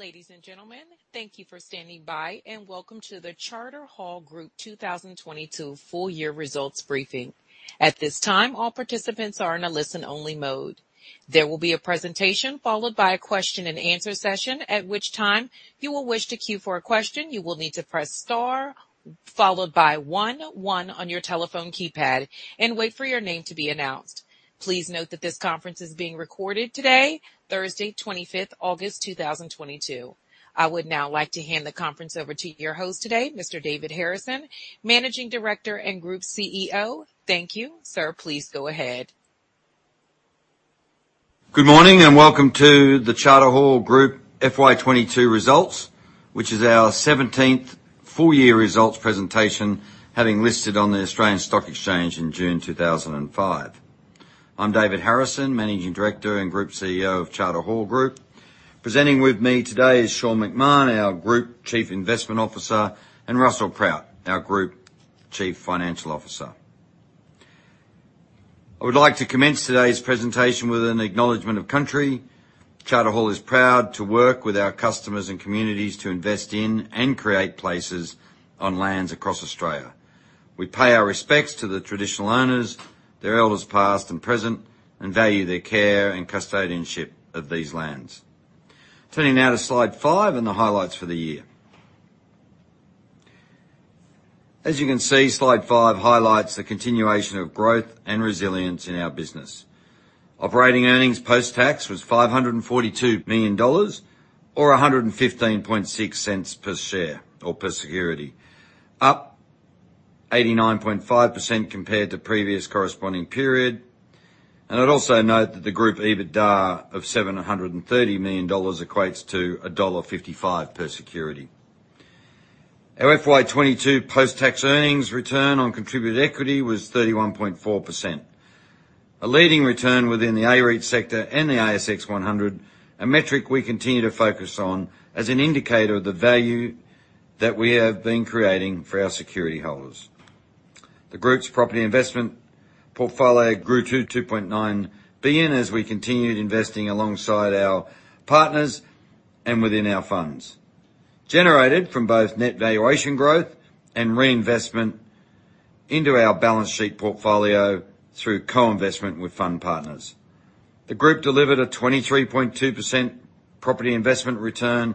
Ladies and gentlemen, thank you for standing by, and welcome to the Charter Hall Group 2022 full year results briefing. At this time, all participants are in a listen only mode. There will be a presentation followed by a question and answer session. At which time you will wish to queue for a question, you will need to press Star followed by 1 1 on your telephone keypad and wait for your name to be announced. Please note that this conference is being recorded today, Thursday, 25 August 2022. I would now like to hand the conference over to your host today, Mr David Harrison, Managing Director and Group CEO. Thank you. Sir, please go ahead. Good morning, and welcome to the Charter Hall Group FY 2022 results, which is our seventeenth full year results presentation, having listed on the Australian Securities Exchange in June 2005. I'm David Harrison, Managing Director and Group CEO of Charter Hall Group. Presenting with me today is Sean McMahon, our Group Chief Investment Officer, and Russell Proutt, our Group Chief Financial Officer. I would like to commence today's presentation with an acknowledgement of country. Charter Hall is proud to work with our customers and communities to invest in and create places on lands across Australia. We pay our respects to the traditional owners, their elders, past and present, and value their care and custodianship of these lands. Turning now to slide five and the highlights for the year. As you can see, slide five highlights the continuation of growth and resilience in our business. Operating earnings post-tax was 542 million dollars or 1.156 per share or per security, up 89.5% compared to previous corresponding period. I'd also note that the group EBITDA of AUD 730 million equates to AUD 1.55 per security. Our FY 2022 post-tax earnings return on contributed equity was 31.4%, a leading return within the AREIT sector and the ASX 100, a metric we continue to focus on as an indicator of the value that we have been creating for our security holders. The group's property investment portfolio grew to 2.9 billion as we continued investing alongside our partners and within our funds. Generated from both net valuation growth and reinvestment into our balance sheet portfolio through co-investment with fund partners. The group delivered a 23.2% property investment return,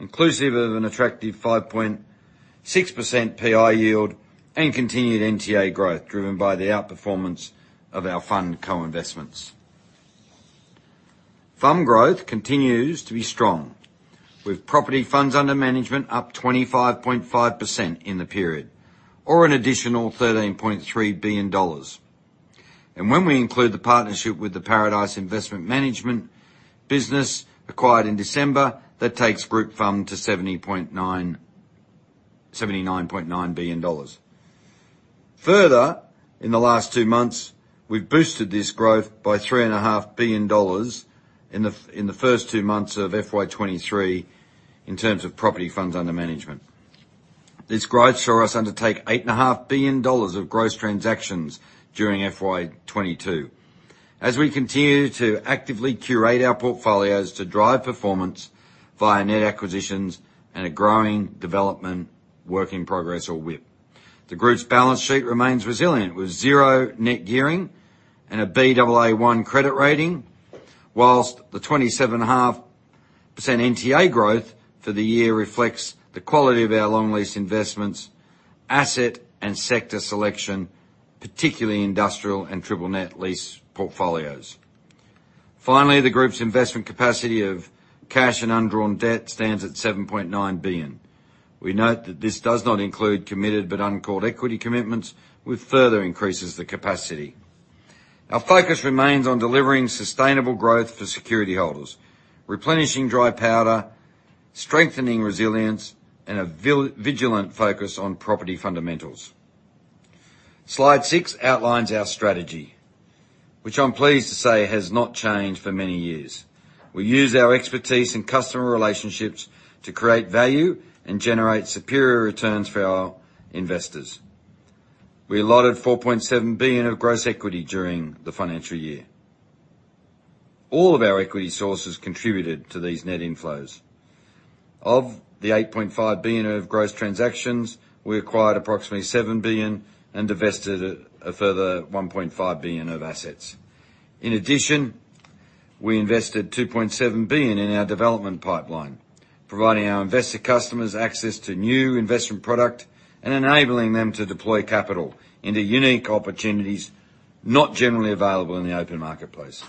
inclusive of an attractive 5.6% PI yield and continued NTA growth, driven by the outperformance of our fund co-investments. Fund growth continues to be strong, with property funds under management up 25.5% in the period or an additional AUD 13.3 billion. When we include the partnership with the Paradice Investment Management business acquired in December, that takes group funds to 79.9 billion dollars. Further, in the last two months, we've boosted this growth by 3.5 billion dollars in the first two months of FY 2023 in terms of property funds under management. This growth saw us undertake 8.5 billion dollars of gross transactions during FY 2022. As we continue to actively curate our portfolios to drive performance via net acquisitions and a growing development work in progress or WIP. The group's balance sheet remains resilient, with zero net gearing and a Baa1 credit rating. While the 27.5% NTA growth for the year reflects the quality of our long lease investments, asset and sector selection, particularly industrial and triple net lease portfolios. Finally, the group's investment capacity of cash and undrawn debt stands at 7.9 billion. We note that this does not include committed but uncalled equity commitments, which further increases the capacity. Our focus remains on delivering sustainable growth for security holders, replenishing dry powder, strengthening resilience, and a vigilant focus on property fundamentals. Slide six outlines our strategy, which I'm pleased to say has not changed for many years. We use our expertise and customer relationships to create value and generate superior returns for our investors. We allotted 4.7 billion of gross equity during the financial year. All of our equity sources contributed to these net inflows. Of the 8.5 billion of gross transactions, we acquired approximately 7 billion and divested a further 1.5 billion of assets. In addition, we invested 2.7 billion in our development pipeline, providing our investor customers access to new investment product and enabling them to deploy capital into unique opportunities not generally available in the open marketplace.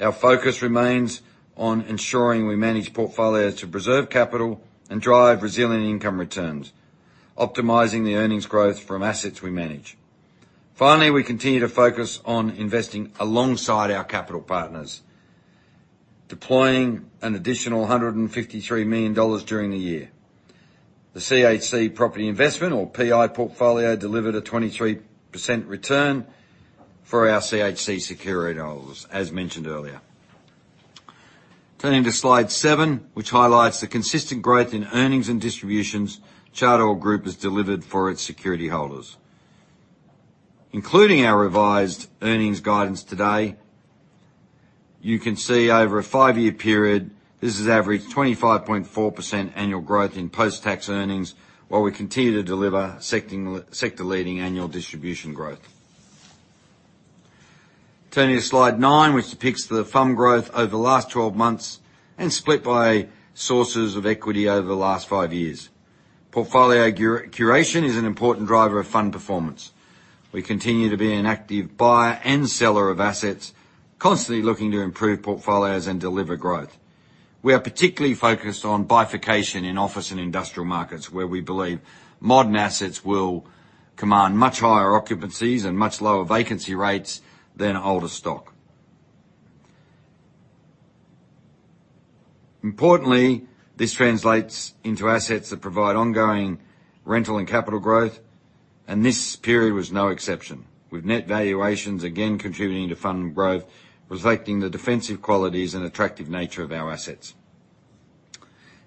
Our focus remains on ensuring we manage portfolios to preserve capital and drive resilient income returns, optimizing the earnings growth from assets we manage. Finally, we continue to focus on investing alongside our capital partners, deploying an additional 153 million dollars during the year. The CHC property investment or PI portfolio delivered a 23% return for our CHC security holders, as mentioned earlier. Turning to slide seven, which highlights the consistent growth in earnings and distributions Charter Hall Group has delivered for its security holders. Including our revised earnings guidance today, you can see over a 5-year period, this has averaged 25.4% annual growth in post-tax earnings while we continue to deliver sector-leading annual distribution growth. Turning to slide nine, which depicts the fund growth over the last 12 months and split by sources of equity over the last 5 years. Portfolio curation is an important driver of fund performance. We continue to be an active buyer and seller of assets, constantly looking to improve portfolios and deliver growth. We are particularly focused on bifurcation in office and industrial markets, where we believe modern assets will command much higher occupancies and much lower vacancy rates than older stock. Importantly, this translates into assets that provide ongoing rental and capital growth, and this period was no exception. With net valuations again contributing to fund growth, reflecting the defensive qualities and attractive nature of our assets.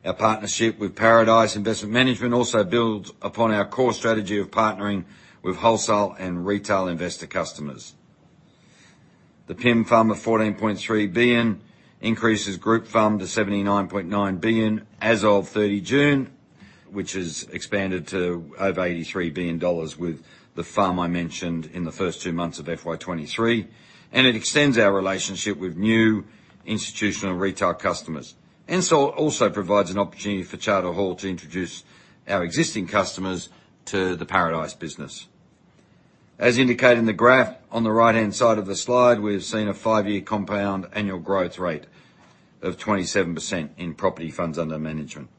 Our partnership with Paradice Investment Management also builds upon our core strategy of partnering with wholesale and retail investor customers. The PIM FUM of 14.3 billion increases group FUM to 79.9 billion as of 30th June, which has expanded to over AUD 83 billion with the FUM I mentioned in the first two months of FY 2023, and it extends our relationship with new institutional retail customers, and so also provides an opportunity for Charter Hall to introduce our existing customers to the Paradice business. As indicated in the graph on the right-hand side of the slide, we've seen a 5-year compound annual growth rate of 27% in property funds under management.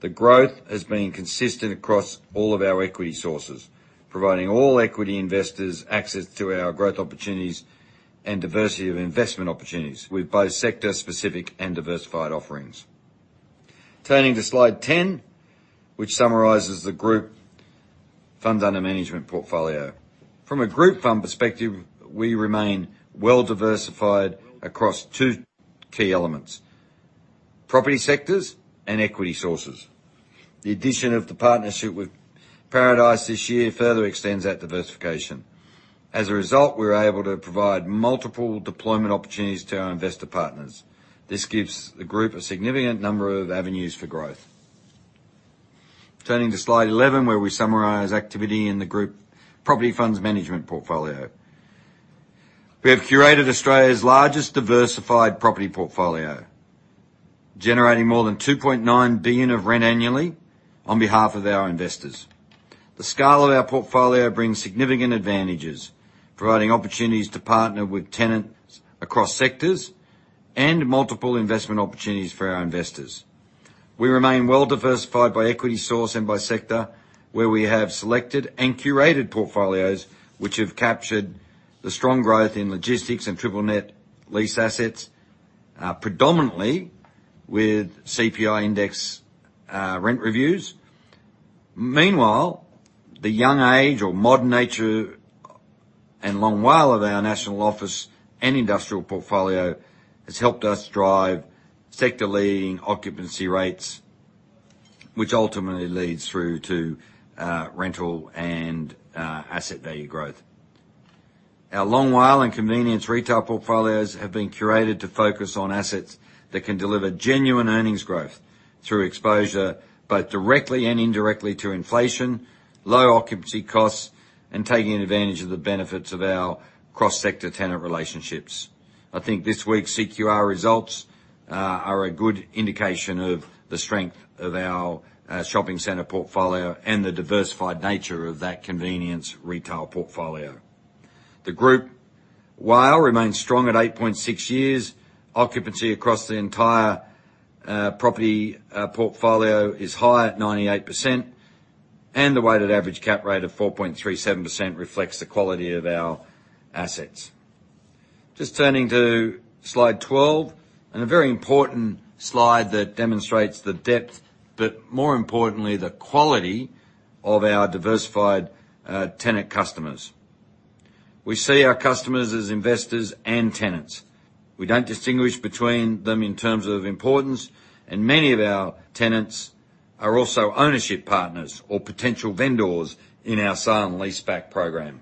The growth has been consistent across all of our equity sources, providing all equity investors access to our growth opportunities and diversity of investment opportunities with both sector-specific and diversified offerings. Turning to slide 10, which summarizes the group funds under management portfolio. From a group fund perspective, we remain well-diversified across two key elements, property sectors and equity sources. The addition of the partnership with Paradice this year further extends that diversification. As a result, we're able to provide multiple deployment opportunities to our investor partners. This gives the group a significant number of avenues for growth. Turning to slide 11, where we summarize activity in the group property funds management portfolio. We have curated Australia's largest diversified property portfolio, generating more than 2.9 billion of rent annually on behalf of our investors. The scale of our portfolio brings significant advantages, providing opportunities to partner with tenants across sectors and multiple investment opportunities for our investors. We remain well diversified by equity source and by sector, where we have selected and curated portfolios which have captured the strong growth in logistics and triple net lease assets, predominantly with CPI-indexed rent reviews. Meanwhile, the young age or modern nature and long WALE of our national office and industrial portfolio has helped us drive sector-leading occupancy rates, which ultimately leads through to rental and asset value growth. Our long WALE and convenience retail portfolios have been curated to focus on assets that can deliver genuine earnings growth through exposure, both directly and indirectly to inflation, low occupancy costs, and taking advantage of the benefits of our cross-sector tenant relationships. I think this week's CQR results are a good indication of the strength of our shopping center portfolio and the diversified nature of that convenience retail portfolio. The group WALE remains strong at 8.6 years. Occupancy across the entire property portfolio is high at 98%, and the weighted average cap rate of 4.37% reflects the quality of our assets. Just turning to slide 12, and a very important slide that demonstrates the depth, but more importantly, the quality of our diversified tenant customers. We see our customers as investors and tenants. We don't distinguish between them in terms of importance, and many of our tenants are also ownership partners or potential vendors in our sale and leaseback program.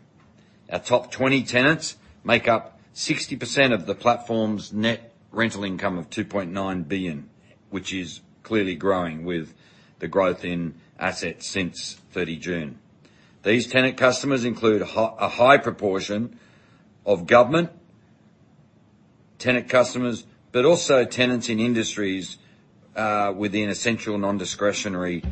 Our top 20 tenants make up 60% of the platform's net rental income of 2.9 billion, which is clearly growing with the growth in assets since 30th June. These tenant customers include a high proportion of government tenant customers, but also tenants in industries within essential non-discretionary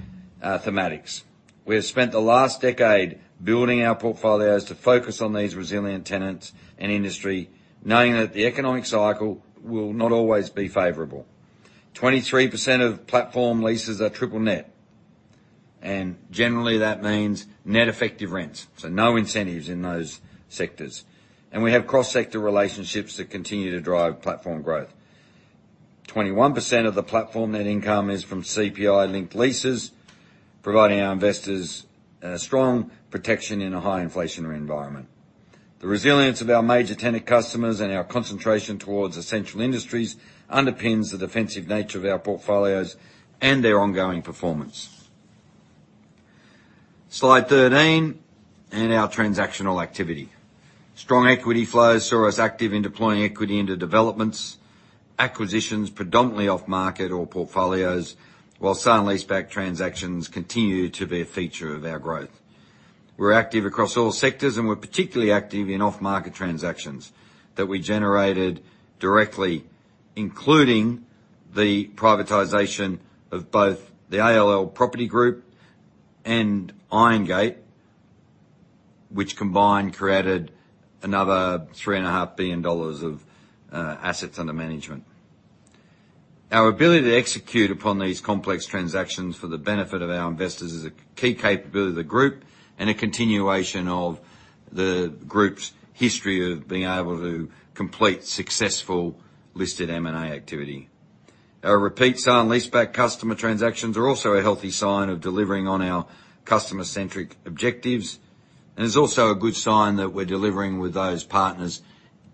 thematics. We have spent the last decade building our portfolios to focus on these resilient tenants and industry, knowing that the economic cycle will not always be favorable. 23% of platform leases are triple net, and generally, that means net effective rents, so no incentives in those sectors. We have cross-sector relationships that continue to drive platform growth. 21% of the platform net income is from CPI-linked leases, providing our investors strong protection in a high inflationary environment. The resilience of our major tenant customers and our concentration towards essential industries underpins the defensive nature of our portfolios and their ongoing performance. Slide 13, our transactional activity. Strong equity flows saw us active in deploying equity into developments, acquisitions predominantly off market or portfolios, while sale and leaseback transactions continue to be a feature of our growth. We're active across all sectors, and we're particularly active in off-market transactions that we generated directly, including the privatization of both the ALE Property Group and Irongate Group, which combined created another 3.5 billion dollars of assets under management. Our ability to execute upon these complex transactions for the benefit of our investors is a key capability of the group and a continuation of the group's history of being able to complete successful listed M&A activity. Our repeat sale and leaseback customer transactions are also a healthy sign of delivering on our customer-centric objectives, and is also a good sign that we're delivering with those partners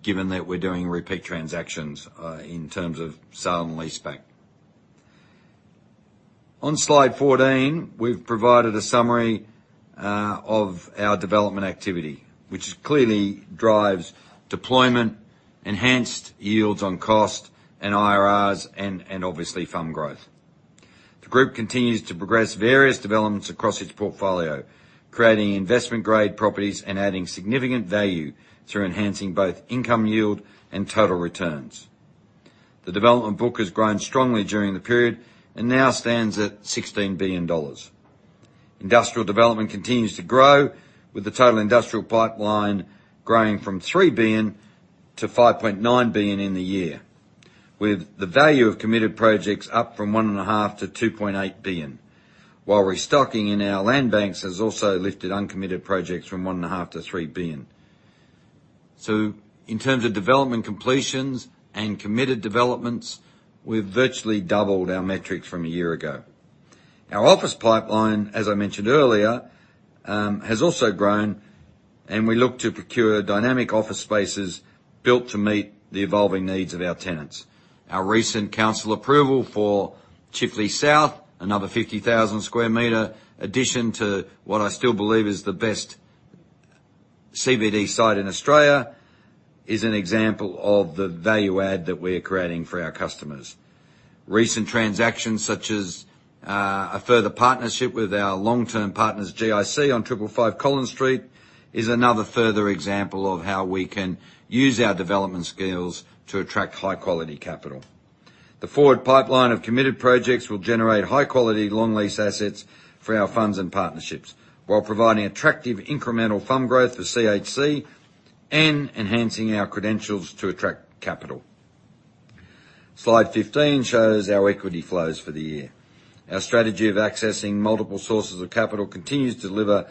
given that we're doing repeat transactions, in terms of sale and leaseback. On slide 14, we've provided a summary, of our development activity, which clearly drives deployment, enhanced yields on cost and IRRs and obviously fund growth. The group continues to progress various developments across its portfolio, creating investment-grade properties and adding significant value through enhancing both income yield and total returns. The development book has grown strongly during the period and now stands at 16 billion dollars. Industrial development continues to grow, with the total industrial pipeline growing from 3 billion to 5.9 billion in the year, with the value of committed projects up from 1.5 billion to 2.8 billion, while restocking in our land banks has also lifted uncommitted projects from 1.5 billion to 3 billion. In terms of development completions and committed developments, we've virtually doubled our metrics from a year ago. Our office pipeline, as I mentioned earlier, has also grown, and we look to procure dynamic office spaces built to meet the evolving needs of our tenants. Our recent council approval for Chifley South, another 50,000 sq m addition to what I still believe is the best CBD site in Australia, is an example of the value add that we're creating for our customers. Recent transactions, such as a further partnership with our long-term partners GIC on 555 Collins Street, is another further example of how we can use our development skills to attract high-quality capital. The forward pipeline of committed projects will generate high-quality long lease assets for our funds and partnerships while providing attractive incremental fund growth for CHC and enhancing our credentials to attract capital. Slide 15 shows our equity flows for the year. Our strategy of accessing multiple sources of capital continues to deliver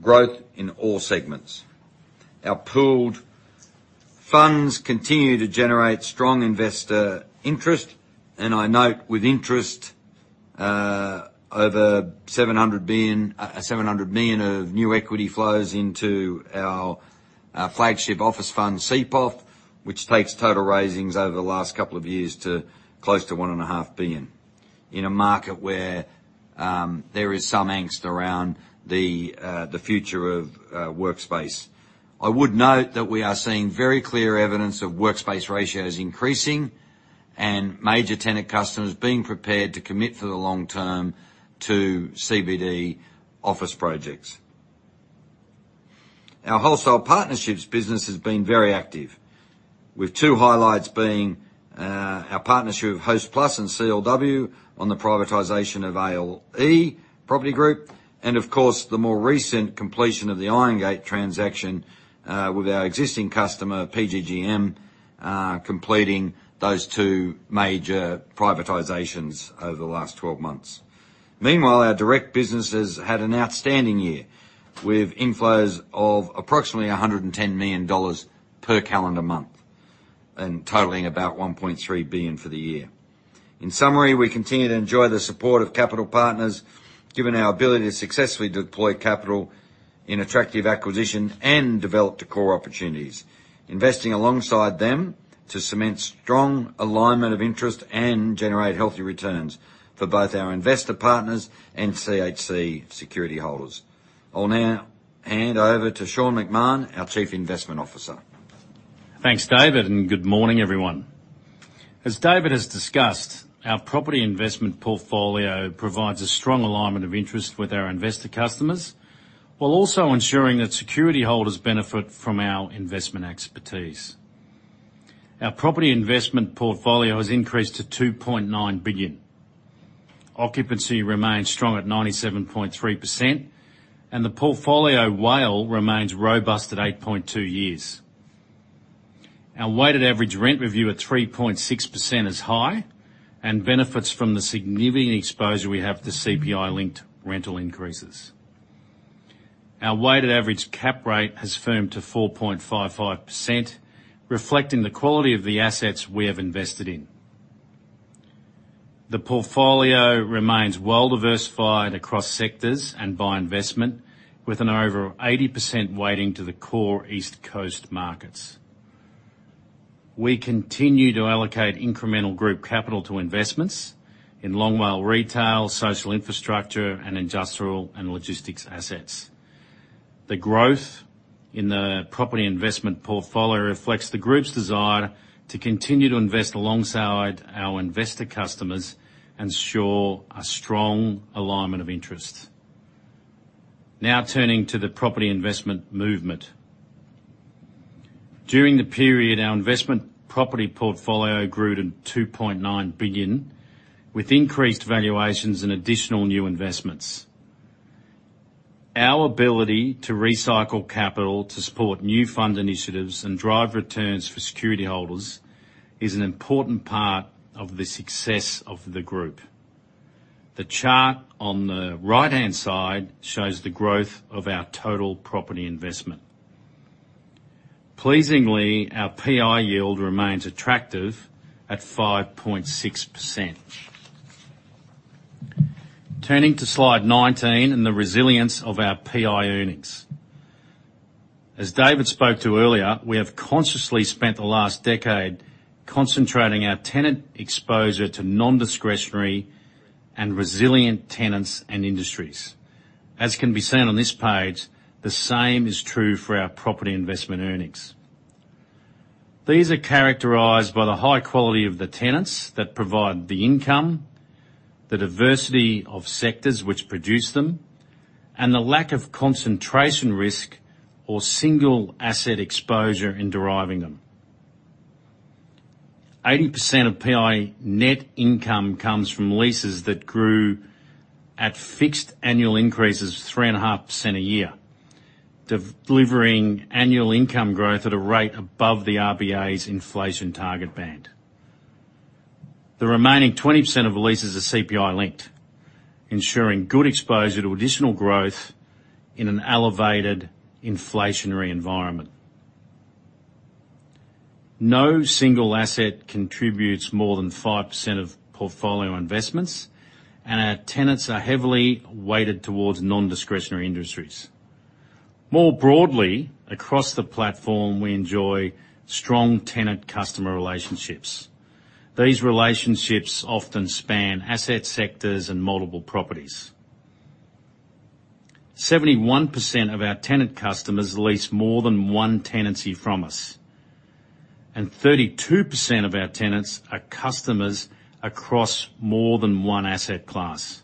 growth in all segments. Our pooled funds continue to generate strong investor interest, and I note with interest over 700 billion. 700 million of new equity flows into our flagship office fund, CPOF, which takes total raisings over the last couple of years to close to 1.5 billion, in a market where there is some angst around the future of workspace. I would note that we are seeing very clear evidence of workspace ratios increasing and major tenant customers being prepared to commit for the long term to CBD office projects. Our wholesale partnerships business has been very active, with two highlights being our partnership with Hostplus and CLW on the privatization of ALE Property Group and of course, the more recent completion of the Irongate transaction with our existing customer PGGM, completing those two major privatizations over the last 12 months. Meanwhile, our direct businesses had an outstanding year with inflows of approximately 110 million dollars per calendar month and totaling about 1.3 billion for the year. In summary, we continue to enjoy the support of Capital Partners, given our ability to successfully deploy capital in attractive acquisition and develop to core opportunities, investing alongside them to cement strong alignment of interest and generate healthy returns for both our investor partners and CHC security holders. I'll now hand over to Sean McMahon, our Chief Investment Officer. Thanks, David, and good morning, everyone. As David has discussed, our property investment portfolio provides a strong alignment of interest with our investor customers, while also ensuring that security holders benefit from our investment expertise. Our property investment portfolio has increased to 2.9 billion. Occupancy remains strong at 97.3%, and the portfolio WALE remains robust at 8.2 years. Our weighted average rent review at 3.6% is high and benefits from the significant exposure we have to CPI-linked rental increases. Our weighted average cap rate has firmed to 4.55%, reflecting the quality of the assets we have invested in. The portfolio remains well diversified across sectors and by investment, with an over 80% weighting to the core East Coast markets. We continue to allocate incremental group capital to investments in long life retail, social infrastructure, and industrial and logistics assets. The growth in the property investment portfolio reflects the group's desire to continue to invest alongside our investor customers and ensure a strong alignment of interests. Now turning to the property investment movement. During the period, our investment property portfolio grew to 2.9 billion, with increased valuations and additional new investments. Our ability to recycle capital to support new fund initiatives and drive returns for security holders is an important part of the success of the group. The chart on the right-hand side shows the growth of our total property investment. Pleasingly, our PI yield remains attractive at 5.6%. Turning to slide 19 and the resilience of our PI earnings. As David spoke to earlier, we have consciously spent the last decade concentrating our tenant exposure to non-discretionary and resilient tenants and industries. As can be seen on this page, the same is true for our property investment earnings. These are characterized by the high quality of the tenants that provide the income, the diversity of sectors which produce them, and the lack of concentration risk or single asset exposure in deriving them. 80% of PI net income comes from leases that grew at fixed annual increases 3.5% a year, delivering annual income growth at a rate above the RBA's inflation target band. The remaining 20% of leases are CPI-linked, ensuring good exposure to additional growth in an elevated inflationary environment. No single asset contributes more than 5% of portfolio investments, and our tenants are heavily weighted towards non-discretionary industries. More broadly, across the platform, we enjoy strong tenant customer relationships. These relationships often span asset sectors and multiple properties. 71% of our tenant customers lease more than one tenancy from us, and 32% of our tenants are customers across more than one asset class.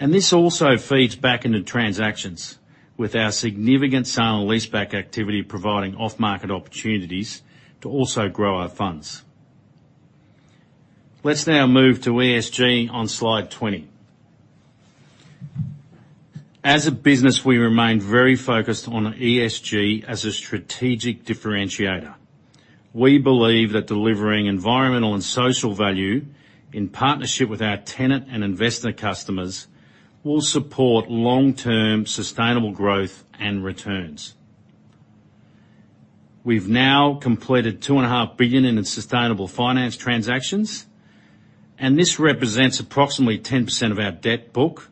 This also feeds back into transactions with our significant sale and leaseback activity, providing off-market opportunities to also grow our funds. Let's now move to ESG on slide 20. As a business, we remain very focused on ESG as a strategic differentiator. We believe that delivering environmental and social value in partnership with our tenant and investor customers will support long-term sustainable growth and returns. We've now completed two and a half billion in sustainable finance transactions, and this represents approximately 10% of our debt book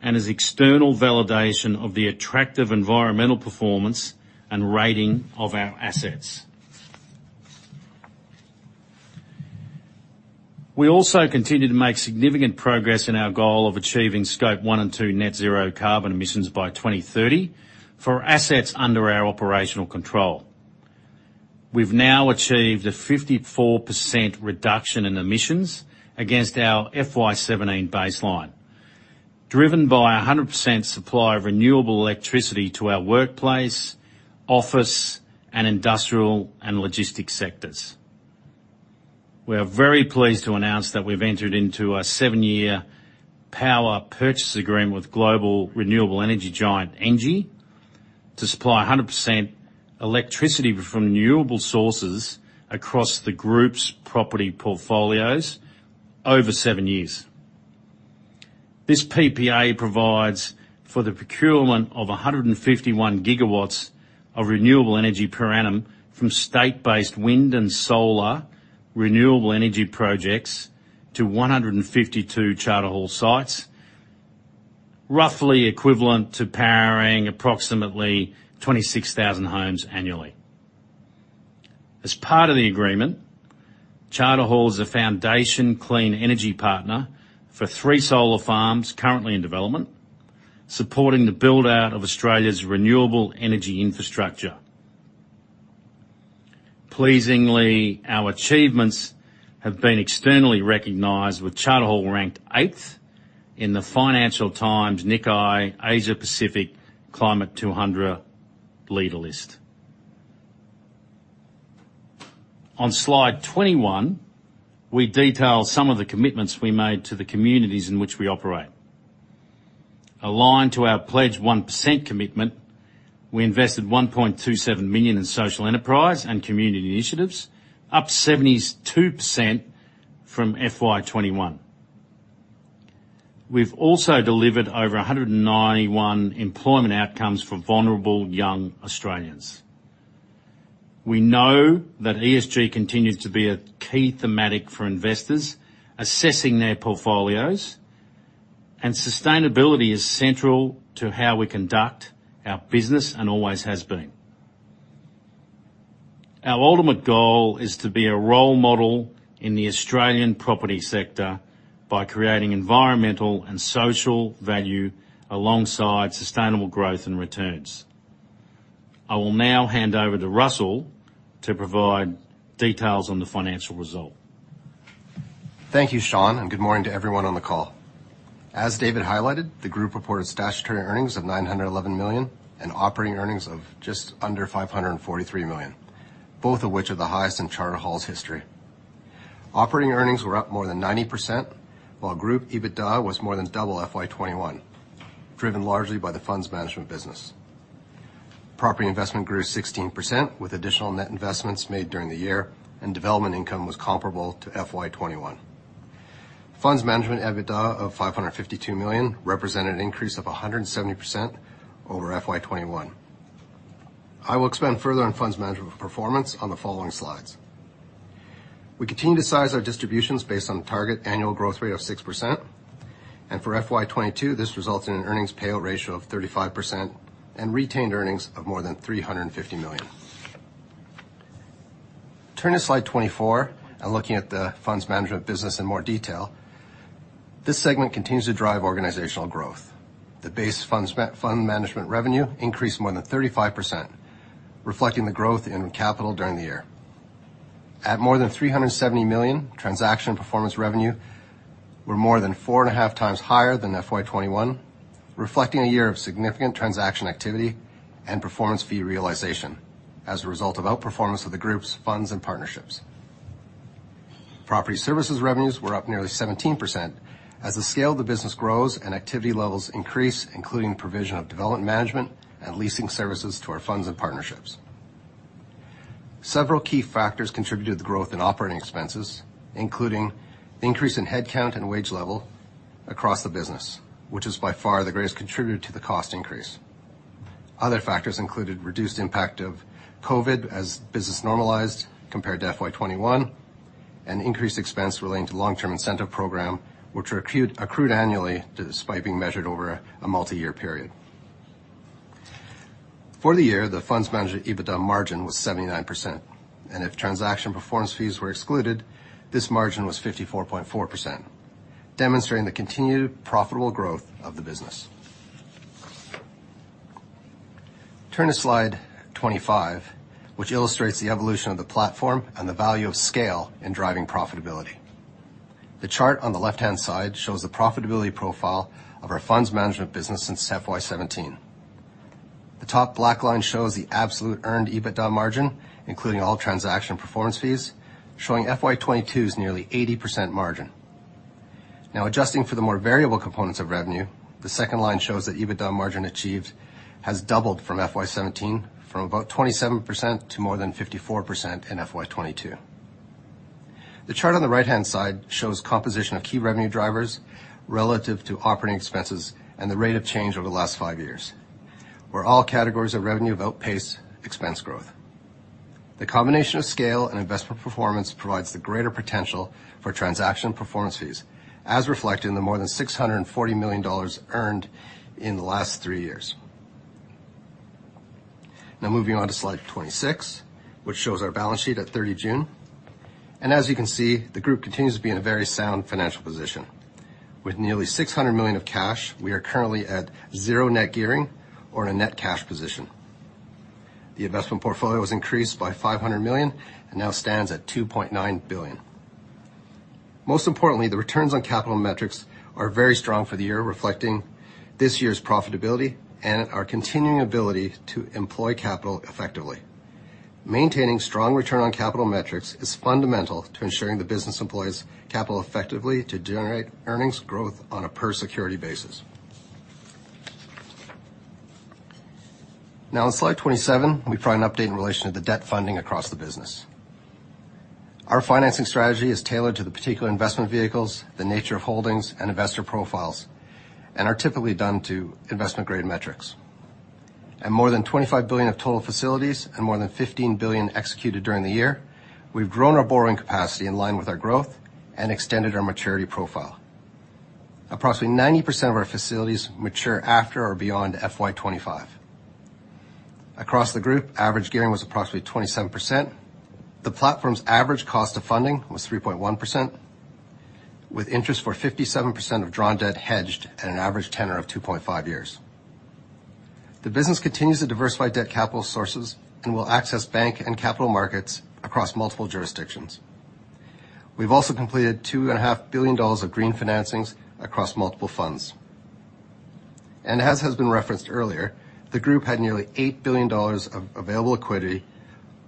and is external validation of the attractive environmental performance and rating of our assets. We continue to make significant progress in our goal of achieving Scope 1 and Scope 2 net zero carbon emissions by 2030 for assets under our operational control. We've now achieved a 54% reduction in emissions against our FY 2017 baseline, driven by 100% supply of renewable electricity to our workplace, office, and industrial and logistics sectors. We are very pleased to announce that we've entered into a 7-year power purchase agreement with global renewable energy giant Engie to supply 100% electricity from renewable sources across the group's property portfolios over 7 years. This PPA provides for the procurement of 151 gigawatts of renewable energy per annum from state-based wind and solar renewable energy projects to 152 Charter Hall sites, roughly equivalent to powering approximately 26,000 homes annually. As part of the agreement, Charter Hall is a foundation clean energy partner for 3 solar farms currently in development, supporting the build-out of Australia's renewable energy infrastructure. Pleasingly, our achievements have been externally recognized, with Charter Hall ranked 8th in the Financial Times Nikkei Asia-Pacific Climate 200 leader list. On slide 21, we detail some of the commitments we made to the communities in which we operate. Aligned to our Pledge 1% commitment, we invested 1.27 million in social enterprise and community initiatives, up 72% from FY 2021. We've also delivered over 191 employment outcomes for vulnerable young Australians. We know that ESG continues to be a key theme for investors assessing their portfolios, and sustainability is central to how we conduct our business, and always has been. Our ultimate goal is to be a role model in the Australian property sector by creating environmental and social value alongside sustainable growth and returns. I will now hand over to Russell to provide details on the financial result. Thank you, Sean, and good morning to everyone on the call. As David highlighted, the group reported statutory earnings of 911 million and operating earnings of just under 543 million, both of which are the highest in Charter Hall's history. Operating earnings were up more than 90%, while group EBITDA was more than double FY 2021, driven largely by the funds management business. Property investment grew 16% with additional net investments made during the year, and development income was comparable to FY 2021. Funds management EBITDA of 552 million represented an increase of 170% over FY 2021. I will expand further on funds management performance on the following slides. We continue to size our distributions based on target annual growth rate of 6%. For FY 2022, this results in an earnings payout ratio of 35% and retained earnings of more than 350 million. Turning to slide 24, and looking at the funds management business in more detail. This segment continues to drive organizational growth. The base funds management revenue increased more than 35%, reflecting the growth in capital during the year. At more than 370 million, transaction performance revenue were more than 4.5 times higher than FY 2021, reflecting a year of significant transaction activity and performance fee realization as a result of outperformance of the group's funds and partnerships. Property services revenues were up nearly 17% as the scale of the business grows and activity levels increase, including the provision of development management and leasing services to our funds and partnerships. Several key factors contributed to the growth in operating expenses, including increase in headcount and wage level across the business, which is by far the greatest contributor to the cost increase. Other factors included reduced impact of COVID as business normalized compared to FY 2021, and increased expense relating to long-term incentive program, which are accrued annually despite being measured over a multi-year period. For the year, the funds management EBITDA margin was 79%, and if transaction performance fees were excluded, this margin was 54.4%, demonstrating the continued profitable growth of the business. Turn to slide 25, which illustrates the evolution of the platform and the value of scale in driving profitability. The chart on the left-hand side shows the profitability profile of our funds management business since FY 2017. The top black line shows the absolute earned EBITDA margin, including all transaction performance fees, showing FY 2022's nearly 80% margin. Now, adjusting for the more variable components of revenue, the second line shows that EBITDA margin achieved has doubled from FY 2017 from about 27% to more than 54% in FY 2022. The chart on the right-hand side shows composition of key revenue drivers relative to operating expenses and the rate of change over the last five years, where all categories of revenue have outpaced expense growth. The combination of scale and investment performance provides the greater potential for transaction performance fees, as reflected in the more than 640 million dollars earned in the last 3 years. Now moving on to slide 26, which shows our balance sheet at 30th June. As you can see, the group continues to be in a very sound financial position. With nearly 600 million of cash, we are currently at zero net gearing or in a net cash position. The investment portfolio was increased by 500 million and now stands at 2.9 billion. Most importantly, the returns on capital metrics are very strong for the year, reflecting this year's profitability and our continuing ability to employ capital effectively. Maintaining strong return on capital metrics is fundamental to ensuring the business employs capital effectively to generate earnings growth on a per security basis. Now in slide 27, we provide an update in relation to the debt funding across the business. Our financing strategy is tailored to the particular investment vehicles, the nature of holdings, and investor profiles, and are typically done to investment-grade metrics. At more than 25 billion of total facilities and more than 15 billion executed during the year, we've grown our borrowing capacity in line with our growth and extended our maturity profile. Approximately 90% of our facilities mature after or beyond FY 2025. Across the group, average gearing was approximately 27%. The platform's average cost of funding was 3.1%, with interest for 57% of drawn debt hedged at an average tenor of 2.5 years. The business continues to diversify debt capital sources and will access bank and capital markets across multiple jurisdictions. We've also completed 2.5 billion dollars of green financings across multiple funds. As has been referenced earlier, the group had nearly 8 billion dollars of available equity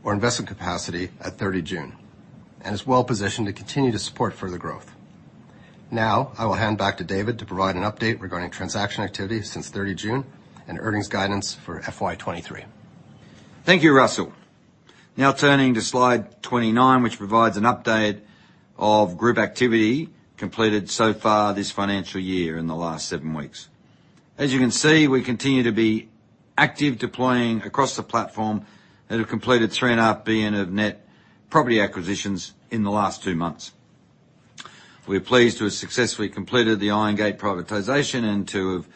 or investment capacity at 30th June and is well positioned to continue to support further growth. Now, I will hand back to David to provide an update regarding transaction activity since 30th June and earnings guidance for FY 2023. Thank you, Russell. Now turning to slide 29, which provides an update of group activity completed so far this financial year in the last 7 weeks. As you can see, we continue to be active deploying across the platform that have completed 3.5 billion of net property acquisitions in the last 2 months. We're pleased to have successfully completed the Irongate privatization and to have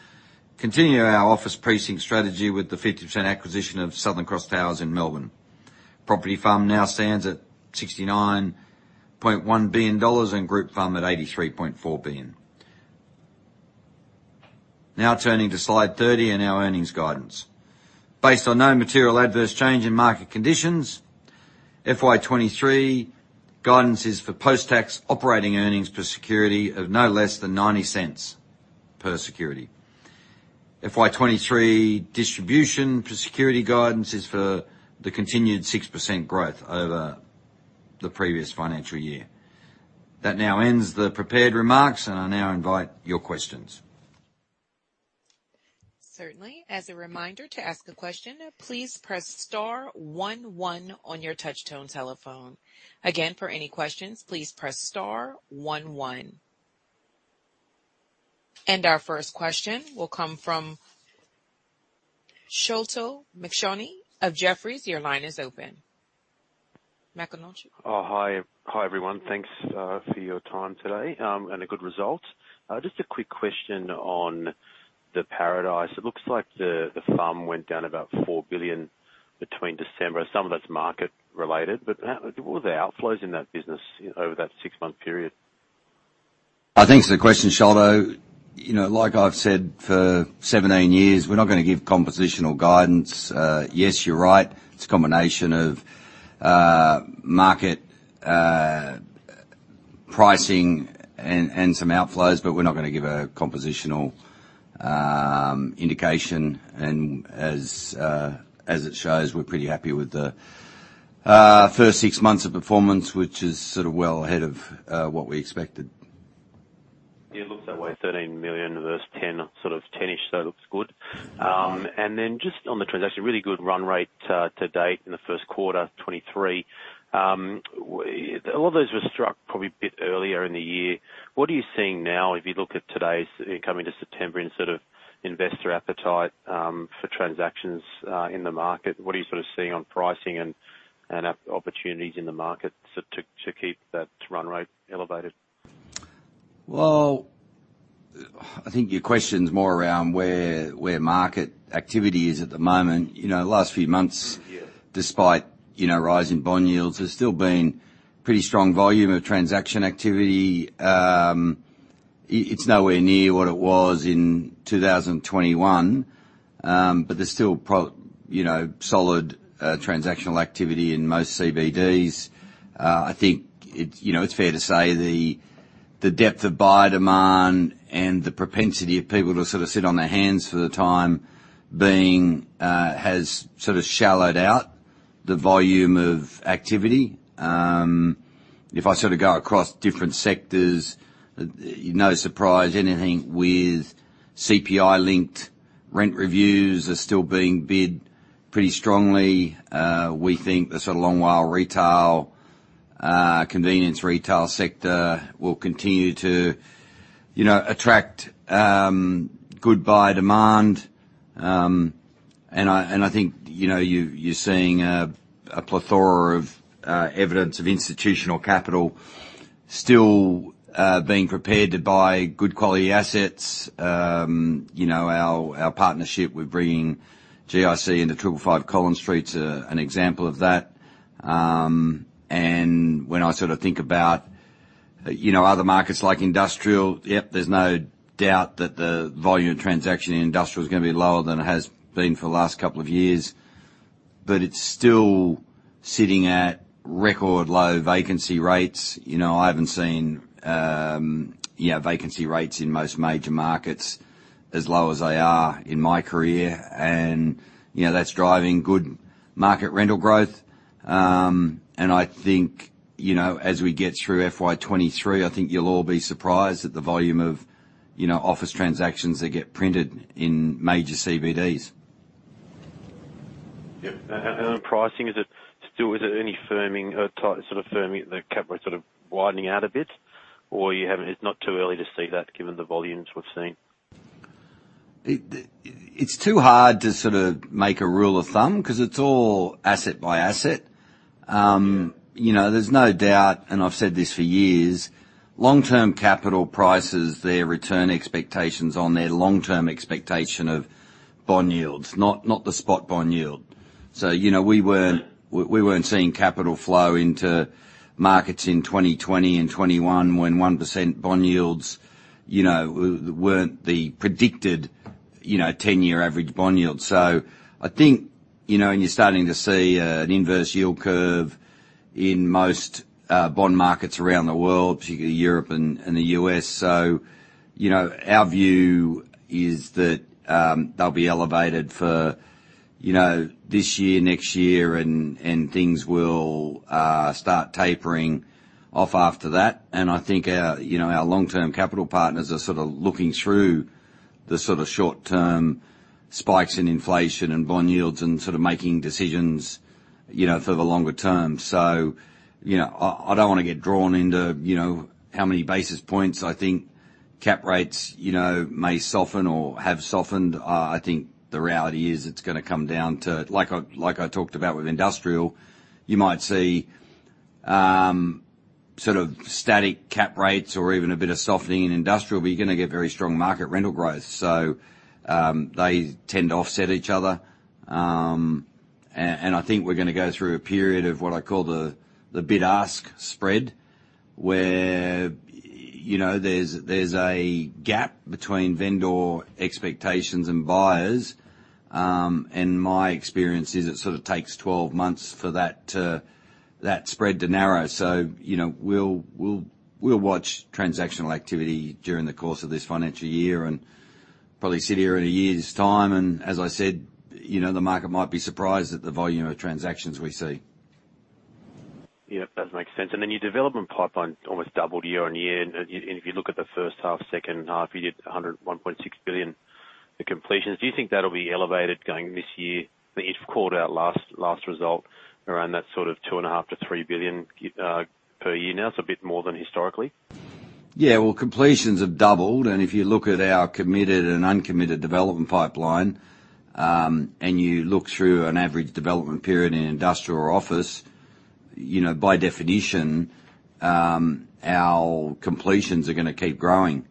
continue our office precinct strategy with the 50% acquisition of Southern Cross Towers in Melbourne. Property fund now stands at AUD 69.1 billion and group fund at AUD 83.4 billion. Now turning to slide 30 and our earnings guidance. Based on no material adverse change in market conditions, FY 2023 guidance is for post-tax operating earnings per security of no less than 0.90 per security. FY 2023 distribution per security guidance is for the continued 6% growth over the previous financial year. That now ends the prepared remarks, and I now invite your questions. Certainly. As a reminder, to ask a question, please press star one one on your touch tone telephone. Again, for any questions, please press star one one. Our first question will come from Sholto Maconochie of Jefferies. Your line is open. Maconochie. Hi, everyone. Thanks for your time today and a good result. Just a quick question on the Paradice. It looks like the firm went down about 4 billion between December. Some of that's market related, but what were the outflows in that business over that six-month period? I think the question, Sholto, you know, like I've said for 17 years, we're not gonna give compositional guidance. Yes, you're right. It's a combination of market pricing and some outflows, but we're not gonna give a compositional indication. As it shows, we're pretty happy with the first six months of performance, which is sort of well ahead of what we expected. Yeah, it looks that way, 13 million versus 10 million, sort of 10-ish, so it looks good. Just on the transaction, really good run rate to date in the first quarter 2023. A lot of those were struck probably a bit earlier in the year. What are you seeing now if you look at today's coming to September in sort of investor appetite for transactions in the market? What are you sort of seeing on pricing and opportunities in the market to keep that run rate elevated? Well, I think your question's more around where market activity is at the moment. You know, last few months- Yeah. Despite, you know, rising bond yields, there's still been pretty strong volume of transaction activity. It's nowhere near what it was in 2021. There's still, you know, solid transactional activity in most CBDs. I think, you know, it's fair to say the depth of buyer demand and the propensity of people to sort of sit on their hands for the time being has sort of shallowed out the volume of activity. If I sort of go across different sectors, no surprise anything with CPI-linked rent reviews are still being bid pretty strongly. We think the sort of Long WALE retail, convenience retail sector will continue to, you know, attract good buyer demand. I think, you know, you're seeing a plethora of evidence of institutional capital still being prepared to buy good quality assets. You know, our partnership with bringing GIC into 555 Collins Street is an example of that. When I sort of think about, you know, other markets like industrial, yep, there's no doubt that the volume of transaction in industrial is gonna be lower than it has been for the last couple of years. It's still sitting at record low vacancy rates. You know, I haven't seen vacancy rates in most major markets as low as they are in my career. You know, that's driving good market rental growth. I think, you know, as we get through FY 2023, I think you'll all be surprised at the volume of, you know, office transactions that get printed in major CBDs. Yeah. Pricing, is there any firming sort of firming the cap rate sort of widening out a bit? It's not too early to see that given the volumes we've seen. It's too hard to sort of make a rule of thumb 'cause it's all asset by asset. You know, there's no doubt, and I've said this for years, long-term capital prices, their return expectations on their long-term expectation of bond yields, not the spot bond yield. You know, we weren't seeing capital flow into markets in 2020 and 2021 when 1% bond yields, you know, weren't the predicted, you know, ten-year average bond yield. I think, you know, you're starting to see an inverse yield curve in most bond markets around the world, particularly Europe and the U.S. You know, our view is that they'll be elevated for, you know, this year, next year, and things will start tapering off after that. I think our, you know, our long-term capital partners are sort of looking through the sort of short term spikes in inflation and bond yields and sort of making decisions, you know, for the longer term. You know, I don't wanna get drawn into, you know, how many basis points I think cap rates, you know, may soften or have softened. I think the reality is it's gonna come down to, like I talked about with industrial, you might see sort of static cap rates or even a bit of softening in industrial, but you're gonna get very strong market rental growth. They tend to offset each other. And I think we're gonna go through a period of what I call the bid-ask spread, where, you know, there's a gap between vendor expectations and buyers. My experience is it sort of takes 12 months for that to that spread to narrow. You know, we'll watch transactional activity during the course of this financial year and probably sit here in a year's time. As I said, you know, the market might be surprised at the volume of transactions we see. Yeah, that makes sense. Your development pipeline almost doubled year-over-year. If you look at the first half, second half, you did 101.6 billion in completions. Do you think that'll be elevated going this year? You've called out last result around that sort of 2.5 billion-3 billion per year now, so a bit more than historically. Yeah. Well, completions have doubled. If you look at our committed and uncommitted development pipeline, and you look through an average development period in industrial or office, you know, by definition, our completions are gonna keep growing.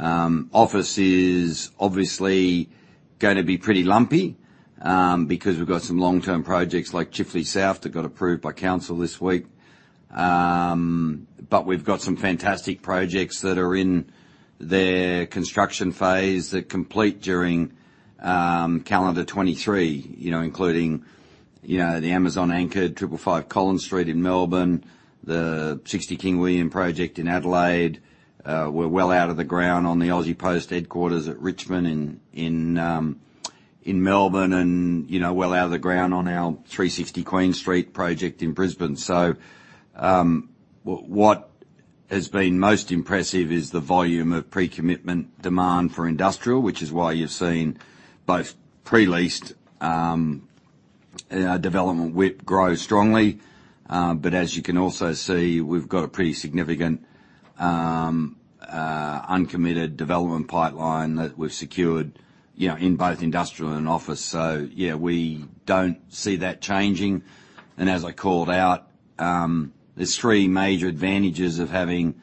Office is obviously gonna be pretty lumpy, because we've got some long-term projects like Chifley South that got approved by council this week. We've got some fantastic projects that are in their construction phase that complete during calendar 2023, you know, including, you know, the Amazon anchor, 555 Collins Street in Melbourne, the 60 King William project in Adelaide. We're well out of the ground on the Australia Post headquarters at Richmond in Melbourne, and you know, well out of the ground on our 360 Queen Street project in Brisbane. What has been most impressive is the volume of pre-commitment demand for industrial, which is why you've seen both pre-leased development WIP grow strongly. As you can also see, we've got a pretty significant uncommitted development pipeline that we've secured, you know, in both industrial and office. Yeah, we don't see that changing. As I called out, there's three major advantages of having,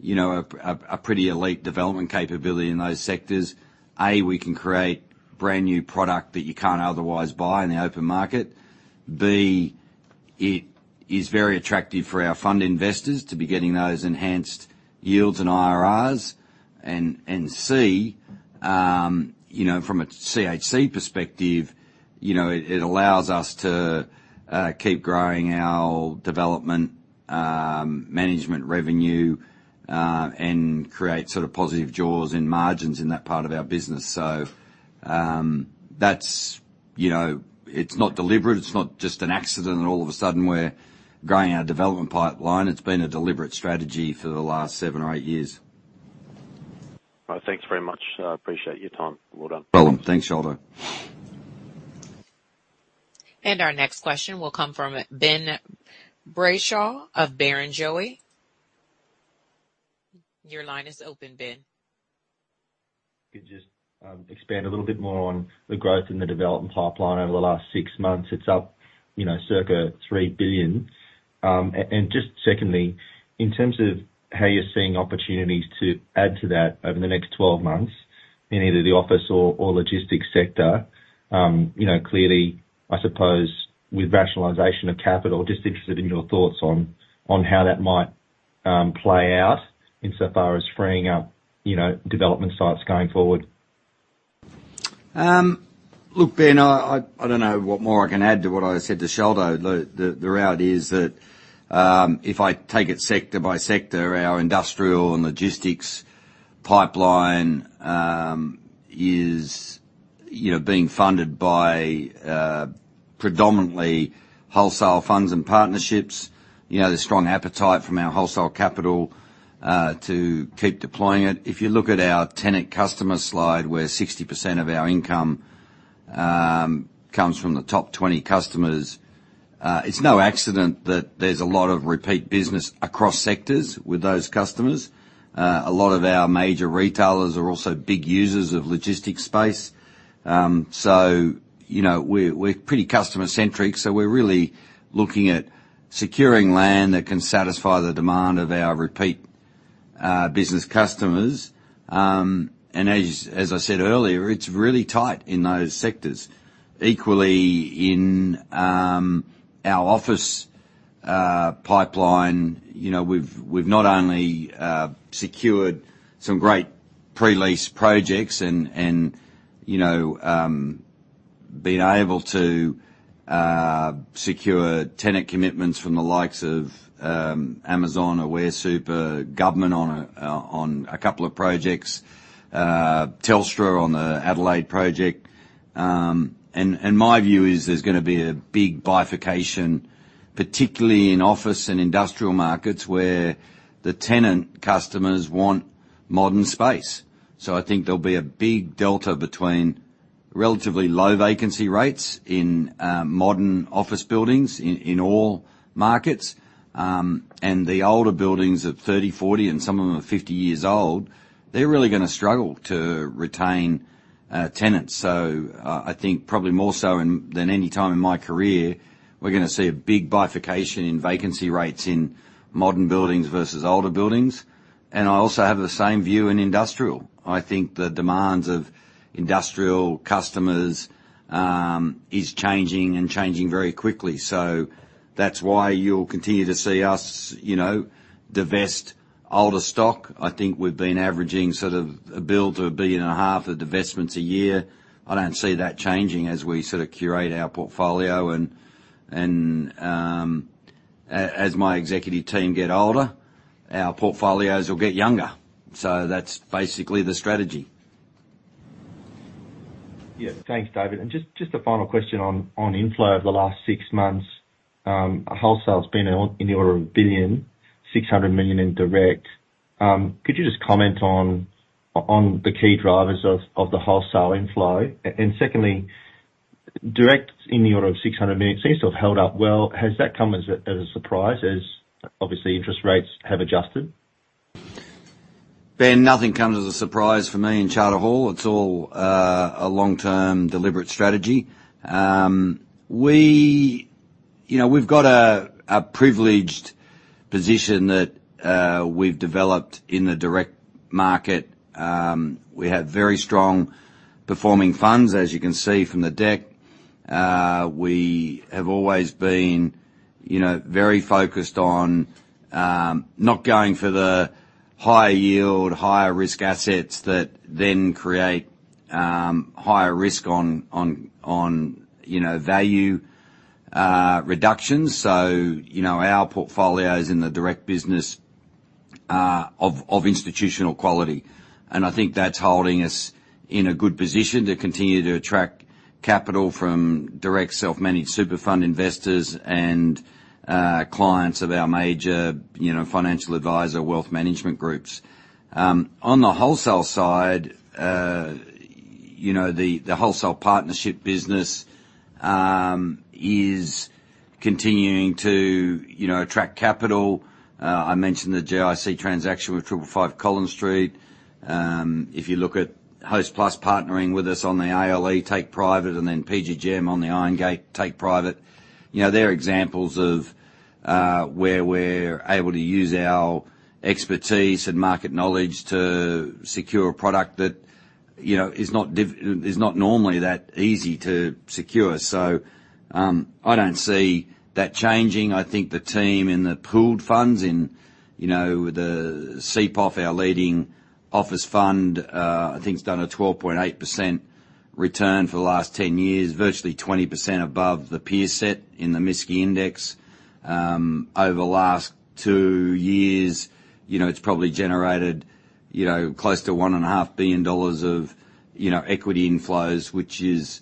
you know, a pretty elite development capability in those sectors. A, we can create brand new product that you can't otherwise buy in the open market. B, it is very attractive for our fund investors to be getting those enhanced yields and IRRs. You know, from a CHC perspective, you know, it allows us to keep growing our development management revenue and create sort of positive jaws in margins in that part of our business. That's. You know, it's not deliberate, it's not just an accident, and all of a sudden we're growing our development pipeline. It's been a deliberate strategy for the last seven or eight years. All right. Thanks very much. I appreciate your time. Well done. No problem. Thanks, Sholto. Our next question will come from Ben Brayshaw of Barrenjoey. Your line is open, Ben. Could just expand a little bit more on the growth in the development pipeline over the last 6 months. It's up, you know, circa 3 billion. And just secondly, in terms of how you're seeing opportunities to add to that over the next 12-months in either the office or logistics sector, you know, clearly, I suppose, with rationalization of capital, just interested in your thoughts on how that might play out insofar as freeing up, you know, development sites going forward. Look, Ben, I don't know what more I can add to what I said to Sholto. The reality is that, if I take it sector by sector, our industrial and logistics pipeline is, you know, being funded by predominantly wholesale funds and partnerships. You know, there's strong appetite from our wholesale capital to keep deploying it. If you look at our tenant customer slide, where 60% of our income comes from the top 20 customers, it's no accident that there's a lot of repeat business across sectors with those customers. A lot of our major retailers are also big users of logistics space. You know, we're pretty customer centric, so we're really looking at securing land that can satisfy the demand of our repeat business customers. As I said earlier, it's really tight in those sectors. Equally, in our office pipeline, we've not only secured some great pre-lease projects and been able to secure tenant commitments from the likes of Amazon, Aware Super, government on a couple of projects, Telstra on the Adelaide project. My view is there's gonna be a big bifurcation, particularly in office and industrial markets, where the tenant customers want modern space. I think there'll be a big delta between relatively low vacancy rates in modern office buildings in all markets. The older buildings of 30, 40, and some of them are 50 years old, they're really gonna struggle to retain tenants. I think probably more so than any time in my career, we're gonna see a big bifurcation in vacancy rates in modern buildings versus older buildings. I also have the same view in industrial. I think the demands of industrial customers is changing and changing very quickly. That's why you'll continue to see us, you know, divest older stock. I think we've been averaging sort of 1 billion to AUD 1.5 billion of divestments a year. I don't see that changing as we sort of curate our portfolio. As my executive team get older, our portfolios will get younger. That's basically the strategy. Yeah. Thanks, David. Just a final question on inflow over the last six months. Wholesale has been in the order of 1.6 billion in direct. Could you just comment on the key drivers of the wholesale inflow? Secondly, direct in the order of 600 million seems to have held up well. Has that come as a surprise, as obviously interest rates have adjusted? Ben, nothing comes as a surprise for me in Charter Hall. It's all a long-term deliberate strategy. You know, we've got a privileged position that we've developed in the direct market. We have very strong performing funds, as you can see from the deck. We have always been, you know, very focused on not going for the higher yield, higher risk assets that then create higher risk on, you know, value reductions. You know, our portfolio is in the direct business of institutional quality. I think that's holding us in a good position to continue to attract capital from direct self-managed super fund investors and clients of our major, you know, financial advisor, wealth management groups. On the wholesale side, you know, the wholesale partnership business is continuing to, you know, attract capital. I mentioned the GIC transaction with 555 Collins Street. If you look at Hostplus partnering with us on the ALE take private and then PGGM on the Irongate take private, you know, they're examples of where we're able to use our expertise and market knowledge to secure a product that, you know, is not normally that easy to secure. I don't see that changing. I think the team in the pooled funds in, you know, the CPOF, our leading office fund, I think it's done a 12.8% return for the last 10 years, virtually 20% above the peer set in the MSCI index. Over the last two years, you know, it's probably generated, you know, close to 1.5 billion dollars of, you know, equity inflows, which is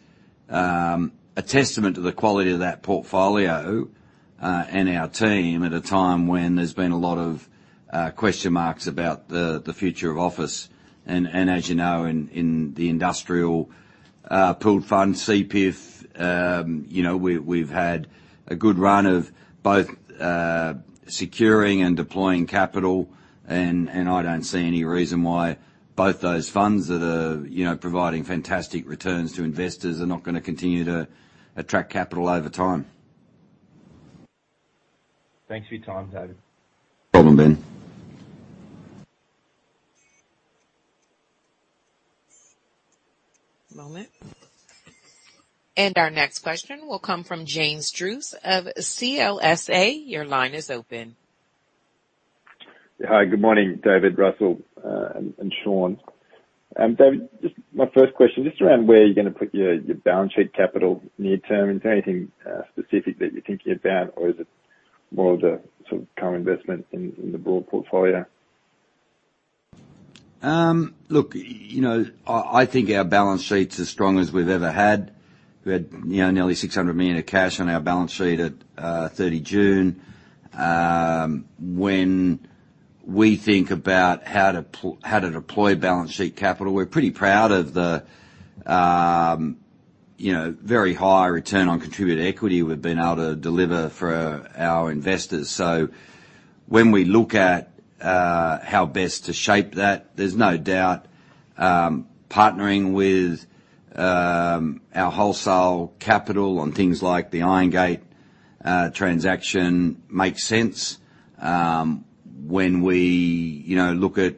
a testament to the quality of that portfolio and our team at a time when there's been a lot of question marks about the future of office. As you know, in the industrial pooled fund, CPIF, you know, we've had a good run of both securing and deploying capital. I don't see any reason why both those funds that are, you know, providing fantastic returns to investors are not gonna continue to attract capital over time. Thanks for your time, David. No problem, Ben. Our next question will come from James Druce of CLSA. Your line is open. Hi. Good morning, David, Russell, and Sean. David, just my first question, just around where you're gonna put your balance sheet capital near term. Is there anything specific that you're thinking about, or is it more of the sort of co-investment in the broad portfolio? Look, you know, I think our balance sheet's as strong as we've ever had. We had, you know, nearly 600 million of cash on our balance sheet at 30th June. When we think about how to deploy balance sheet capital, we're pretty proud of the very high return on contributed equity we've been able to deliver for our investors. When we look at how best to shape that, there's no doubt partnering with our wholesale capital on things like the Irongate transaction makes sense. When we look at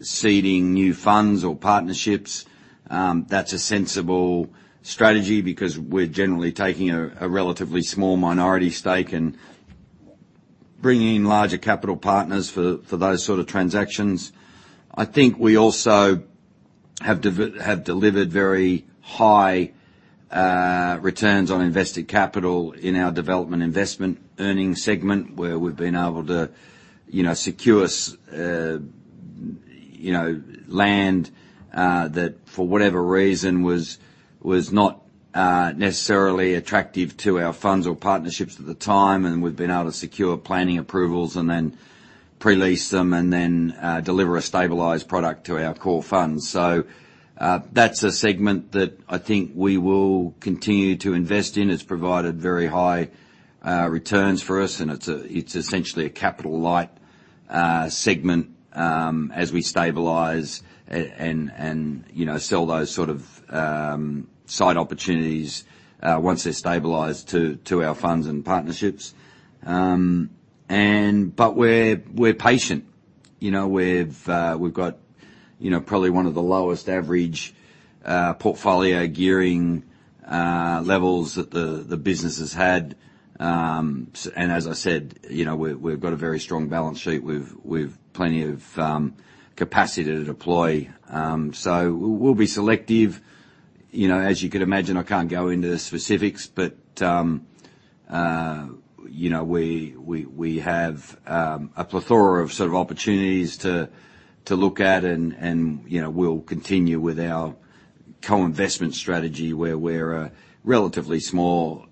seeding new funds or partnerships, that's a sensible strategy because we're generally taking a relatively small minority stake and bringing in larger capital partners for those sort of transactions. I think we also have delivered very high returns on invested capital in our development investment earnings segment, where we've been able to, you know, secure you know, land that for whatever reason was not necessarily attractive to our funds or partnerships at the time. We've been able to secure planning approvals and then pre-lease them and then deliver a stabilized product to our core funds. That's a segment that I think we will continue to invest in. It's provided very high returns for us, and it's essentially a capital light segment as we stabilize and, you know, sell those sort of side opportunities once they're stabilized to our funds and partnerships. But we're patient. You know, we've got, you know, probably one of the lowest average portfolio gearing levels that the business has had. As I said, you know, we've got a very strong balance sheet. We've plenty of capacity to deploy. We'll be selective. You know, as you can imagine, I can't go into the specifics, but you know, we have a plethora of sort of opportunities to look at and, you know, we'll continue with our co-investment strategy where we're a relatively small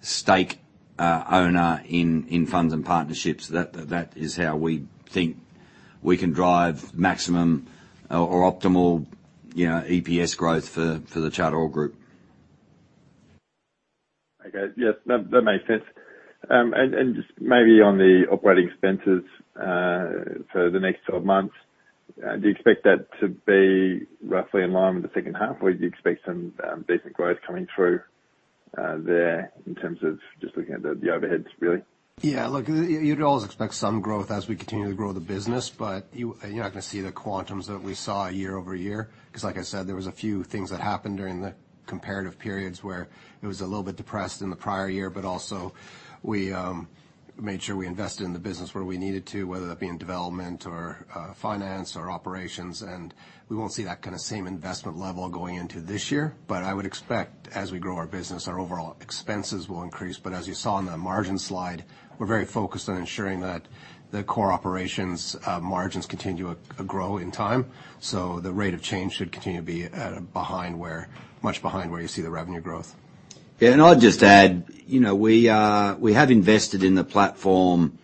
stake owner in funds and partnerships. That is how we think we can drive maximum or optimal, you know, EPS growth for the Charter Hall Group. Okay. Yes, that makes sense. Just maybe on the operating expenses for the next 12 months, do you expect that to be roughly in line with the second half, or do you expect some basic growth coming through there in terms of just looking at the overheads, really? Yeah. Look, you'd always expect some growth as we continue to grow the business, but you're not gonna see the quantums that we saw year-over-year 'cause like I said, there was a few things that happened during the comparative periods where it was a little bit depressed in the prior year, but also we made sure we invested in the business where we needed to, whether that be in development or finance or operations. We won't see that kinda same investment level going into this year, but I would expect as we grow our business, our overall expenses will increase. As you saw in the margin slide, we're very focused on ensuring that the core operations margins continue to grow in time. The rate of change should continue to be much behind where you see the revenue growth. Yeah. I'd just add, you know, we have invested in the platform,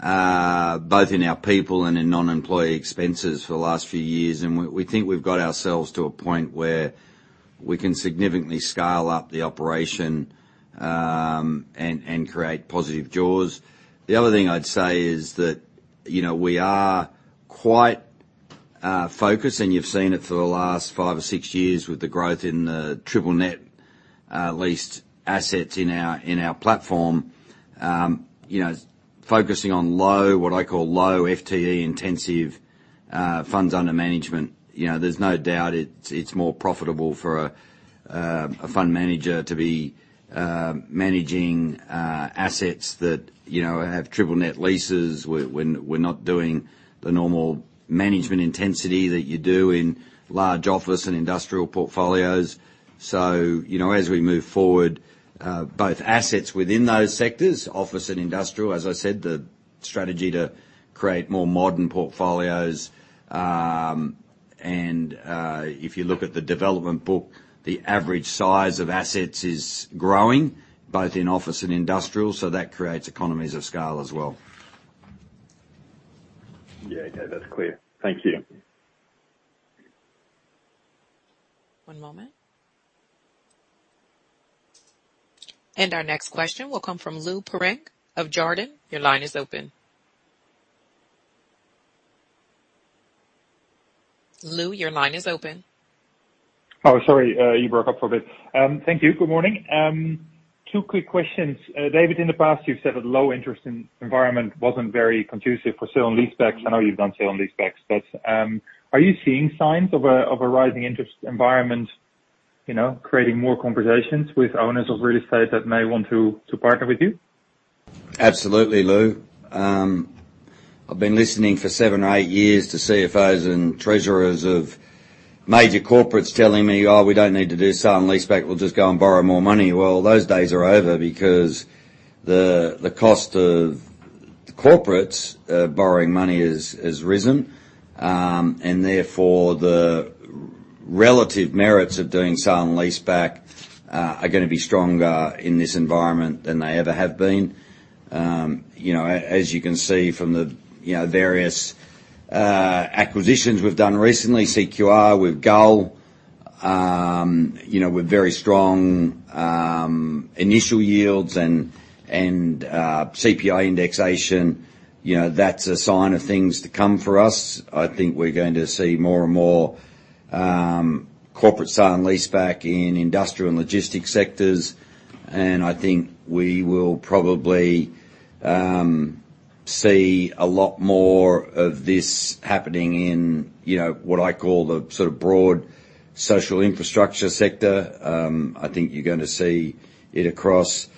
both in our people and in non-employee expenses for the last few years. We think we've got ourselves to a point where we can significantly scale up the operation, and create positive jaws. The other thing I'd say is that, you know, we are quite focused, and you've seen it for the last five or six years with the growth in the triple net leased assets in our platform, you know, focusing on low, what I call low FTE intensive funds under management. You know, there's no doubt it's more profitable for a fund manager to be managing assets that, you know, have triple net leases when we're not doing the normal management intensity that you do in large office and industrial portfolios. You know, as we move forward, both assets within those sectors, office and industrial, as I said, the strategy to create more modern portfolios. If you look at the development book, the average size of assets is growing both in office and industrial, so that creates economies of scale as well. Yeah, okay. That's clear. Thank you. One moment. Our next question will come from Lou Pirenc of Jarden. Your line is open. Lou, your line is open. Thank you. Good morning. Two quick questions. David, in the past, you've said a low interest environment wasn't very conducive for sale and leasebacks. I know you've done sale and leasebacks. Are you seeing signs of a rising interest environment, you know, creating more conversations with owners of real estate that may want to partner with you? Absolutely, Lou. I've been listening for seven or eight years to CFOs and treasurers of major corporates telling me, "Oh, we don't need to do sale and leaseback. We'll just go and borrow more money." Well, those days are over because the cost of the corporates borrowing money has risen, and therefore, the relative merits of doing sale and leaseback are gonna be stronger in this environment than they ever have been. You know, as you can see from the various acquisitions we've done recently, CQR with Gull, you know, with very strong initial yields and CPI indexation, you know, that's a sign of things to come for us. I think we're going to see more and more corporate sale and leaseback in industrial and logistics sectors. I think we will probably see a lot more of this happening in, you know, what I call the sort of broad social infrastructure sector. I think you're gonna see it across,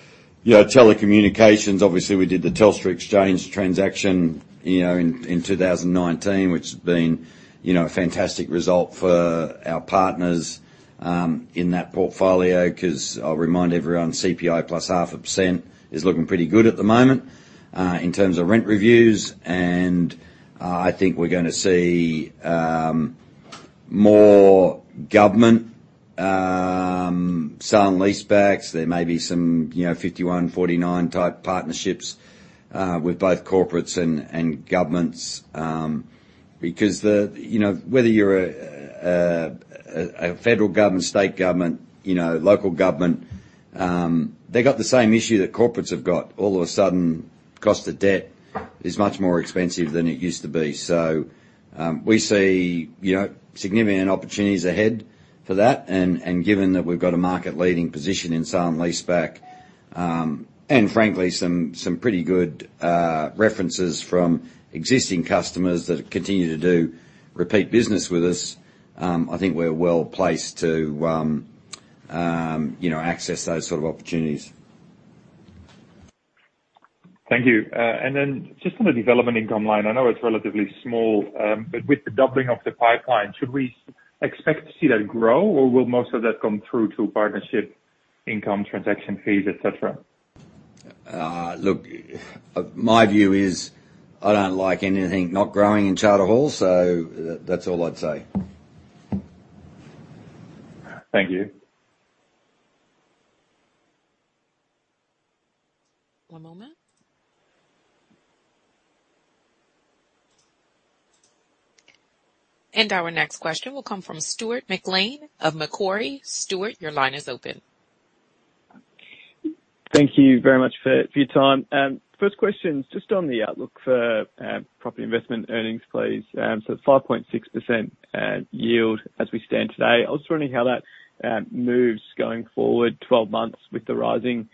you know, telecommunications. Obviously, we did the Telstra Exchange transaction, you know, in 2019, which has been, you know, a fantastic result for our partners in that portfolio 'cause I'll remind everyone, CPI plus 0.5% is looking pretty good at the moment in terms of rent reviews. I think we're gonna see more government sale and leasebacks, there may be some, you know, 51 type-49 type partnerships with both corporates and governments because the, you know, whether you're a federal government, state government, you know, local government, they got the same issue that corporates have got. All of a sudden, cost of debt is much more expensive than it used to be. We see, you know, significant opportunities ahead for that. Given that we've got a market leading position in sale and leaseback, and frankly some pretty good references from existing customers that continue to do repeat business with us, I think we're well-placed to, you know, access those sort of opportunities. Thank you. Just on the development income line, I know it's relatively small, but with the doubling of the pipeline, should we expect to see that grow or will most of that come through to partnership income, transaction fees, et cetera? Look, my view is I don't like anything not growing in Charter Hall, so that's all I'd say. Thank you. One moment. Our next question will come from Stuart McLean of Macquarie. Stuart, your line is open. Thank you very much for your time. First question is just on the outlook for property investment earnings, please. So 5.6% yield as we stand today. I was wondering how that moves going forward 12 months with the rising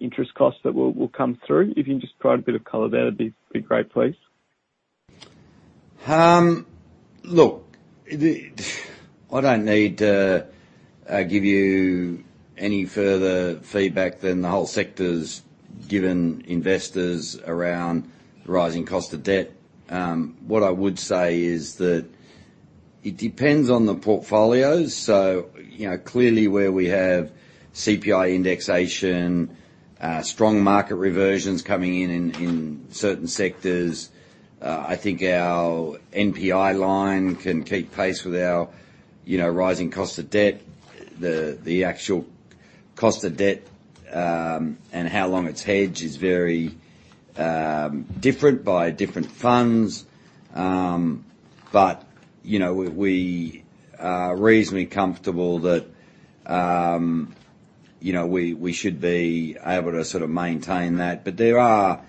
interest costs that will come through. If you can just provide a bit of color there, that'd be great, please. Look, I don't need to give you any further feedback than the whole sector's given investors around rising cost of debt. What I would say is that it depends on the portfolios. You know, clearly where we have CPI indexation, strong market reversions coming in in certain sectors, I think our NPI line can keep pace with our, you know, rising cost of debt. The actual cost of debt and how long it's hedged is very different by different funds. You know, we are reasonably comfortable that, you know, we should be able to sort of maintain that. There are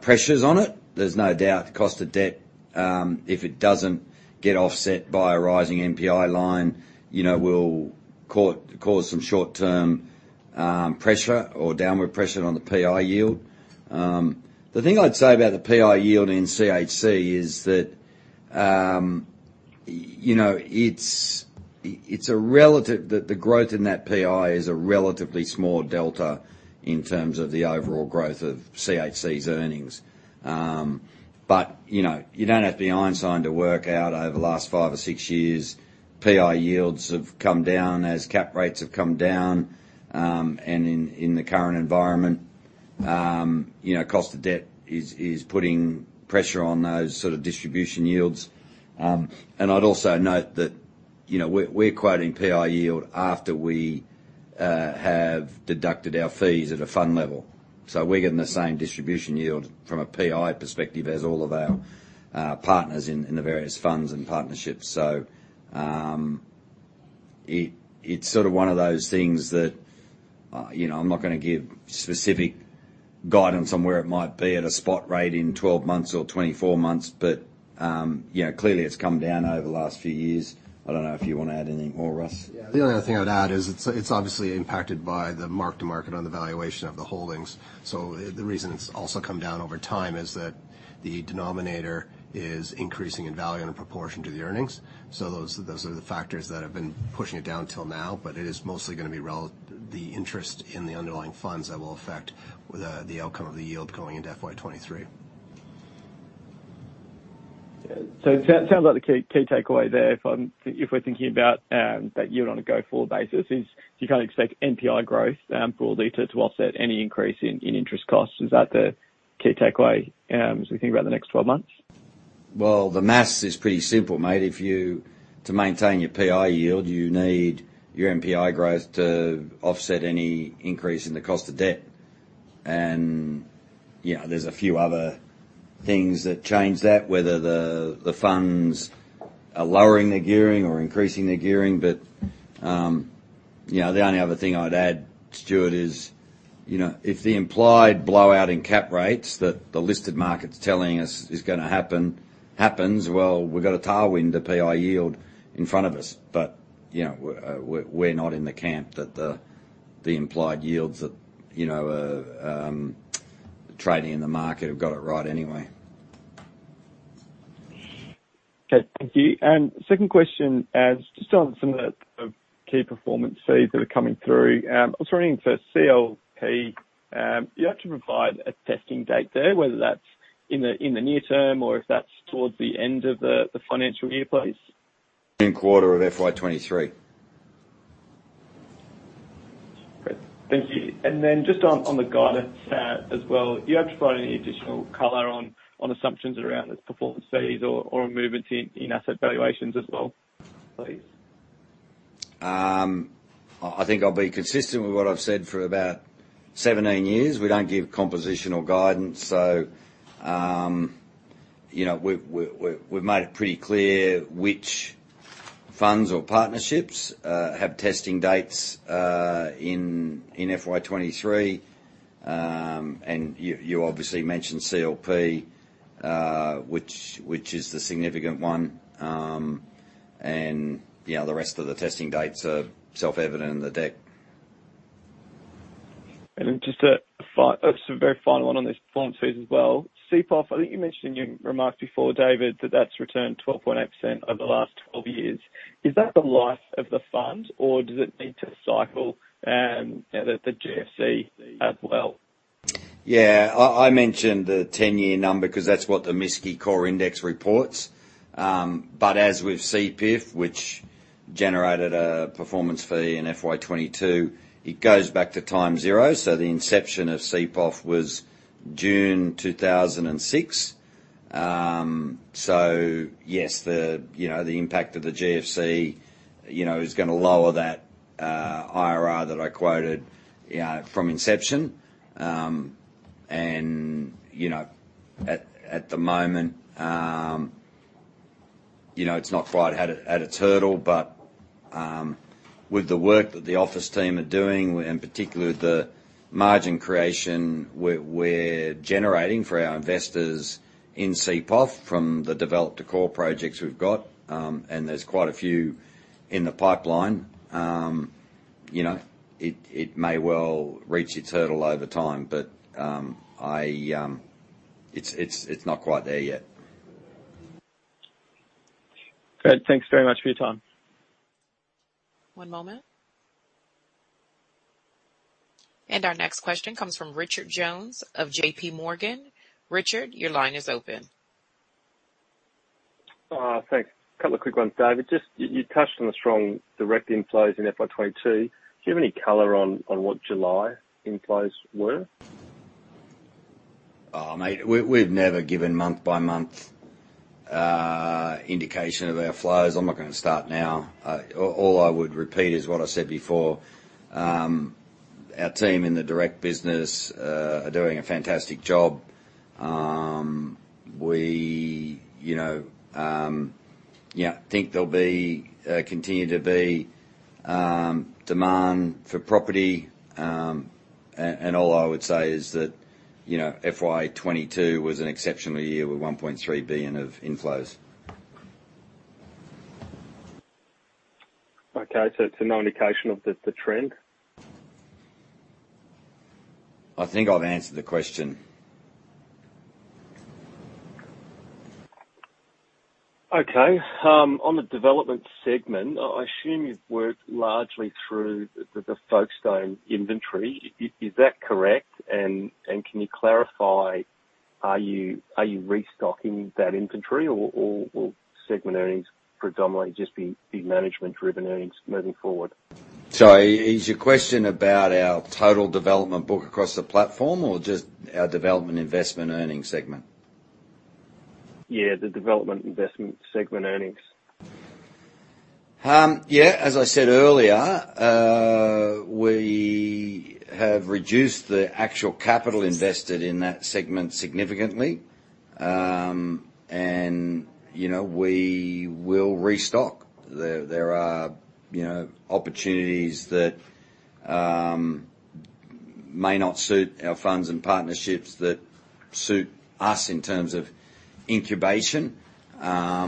pressures on it. There's no doubt the cost of debt, if it doesn't get offset by a rising NPI line, you know, will cause some short-term pressure or downward pressure on the PI yield. The thing I'd say about the PI yield in CHC is that, you know, it's a relative. The growth in that PI is a relatively small delta in terms of the overall growth of CHC's earnings. But, you know, you don't have to be Einstein to work out over the last five or six years, PI yields have come down as cap rates have come down, and in the current environment, you know, cost of debt is putting pressure on those sort of distribution yields. I'd also note that, you know, we're quoting PI yield after we have deducted our fees at a fund level. We're getting the same distribution yield from a PI perspective as all of our partners in the various funds and partnerships. It's sort of one of those things that, you know, I'm not gonna give specific guidance on where it might be at a spot rate in 12 months or 24 months, but, you know, clearly it's come down over the last few years. I don't know if you wanna add anything more, Russ. Yeah. The only other thing I'd add is it's obviously impacted by the mark to market on the valuation of the holdings. The reason it's also come down over time is that the denominator is increasing in value in proportion to the earnings. Those are the factors that have been pushing it down till now, but it is mostly gonna be the interest in the underlying funds that will affect the outcome of the yield going into FY 2023. It sounds like the key takeaway there if we're thinking about that yield on a go-forward basis is you kind of expect NPI growth broadly to offset any increase in interest costs. Is that the key takeaway as we think about the next 12 months? Well, the math is pretty simple, mate. To maintain your PI yield, you need your NPI growth to offset any increase in the cost of debt. You know, there's a few other things that change that, whether the funds are lowering their gearing or increasing their gearing. The only other thing I'd add, stuart, is, you know, if the implied blowout in cap rates that the listed market's telling us is gonna happen, happens, well, we've got a tailwind to PI yield in front of us. You know, we're not in the camp that the implied yields that, you know, are trading in the market have got it right anyway. Okay. Thank you. Second question is just on some of the key performance fees that are coming through. I was wondering for CLW, are you able to provide a vesting date there, whether that's in the near term or if that's towards the end of the financial year, please? Second quarter of FY 2023. Great. Thank you. Just on the guidance, as well, do you have to provide any additional color on assumptions around the performance fees or movements in asset valuations as well, please? I think I'll be consistent with what I've said for about 17 years. We don't give compositional guidance, so, you know, we've made it pretty clear which funds or partnerships have testing dates in FY 2023. You know, the rest of the testing dates are self-evident in the deck. Just a very final one on these performance fees as well. CPIF, I think you mentioned in your remarks before, David, that that's returned 12.8% over the last 12 years. Is that the life of the fund or does it need to cycle, you know, the GFC as well? Yeah. I mentioned the 10-year number 'cause that's what the MSCI core index reports. But as with CPOF, which generated a performance fee in FY 2022, it goes back to time zero. The inception of CPOF was June 2006. Yes, you know, the impact of the GFC is gonna lower that IRR that I quoted from inception. You know, at the moment, you know, it's not quite at a hurdle, but with the work that the office team are doing, in particular, the margin creation we're generating for our investors in CPOF from the develop to core projects we've got, and there's quite a few in the pipeline, you know, it may well reach its hurdle over time. It's not quite there yet. Great. Thanks very much for your time. One moment. Our next question comes from Richard Jones of J.P. Morgan. Richard, your line is open. Thanks. A couple of quick ones, David. Just you touched on the strong direct inflows in FY 2022. Do you have any color on what July inflows were? Oh, mate, we've never given month by month indication of our flows. I'm not gonna start now. All I would repeat is what I said before. Our team in the direct business are doing a fantastic job. We, you know, yeah, think there'll continue to be demand for property. All I would say is that, you know, FY 2022 was an exceptional year with 1.3 billion of inflows. Okay. It's no indication of the trend? I think I've answered the question. Okay. On the development segment, I assume you've worked largely through the Folkestone inventory. Is that correct? Can you clarify, are you restocking that inventory or will segment earnings predominantly just be management-driven earnings moving forward? Sorry. Is your question about our total development book across the platform or just our development investment earnings segment? Yeah, the development investment segment earnings. Yeah. As I said earlier, we have reduced the actual capital invested in that segment significantly. You know, we will restock. There are opportunities that may not suit our funds and partnerships that suit us in terms of incubation. Yeah,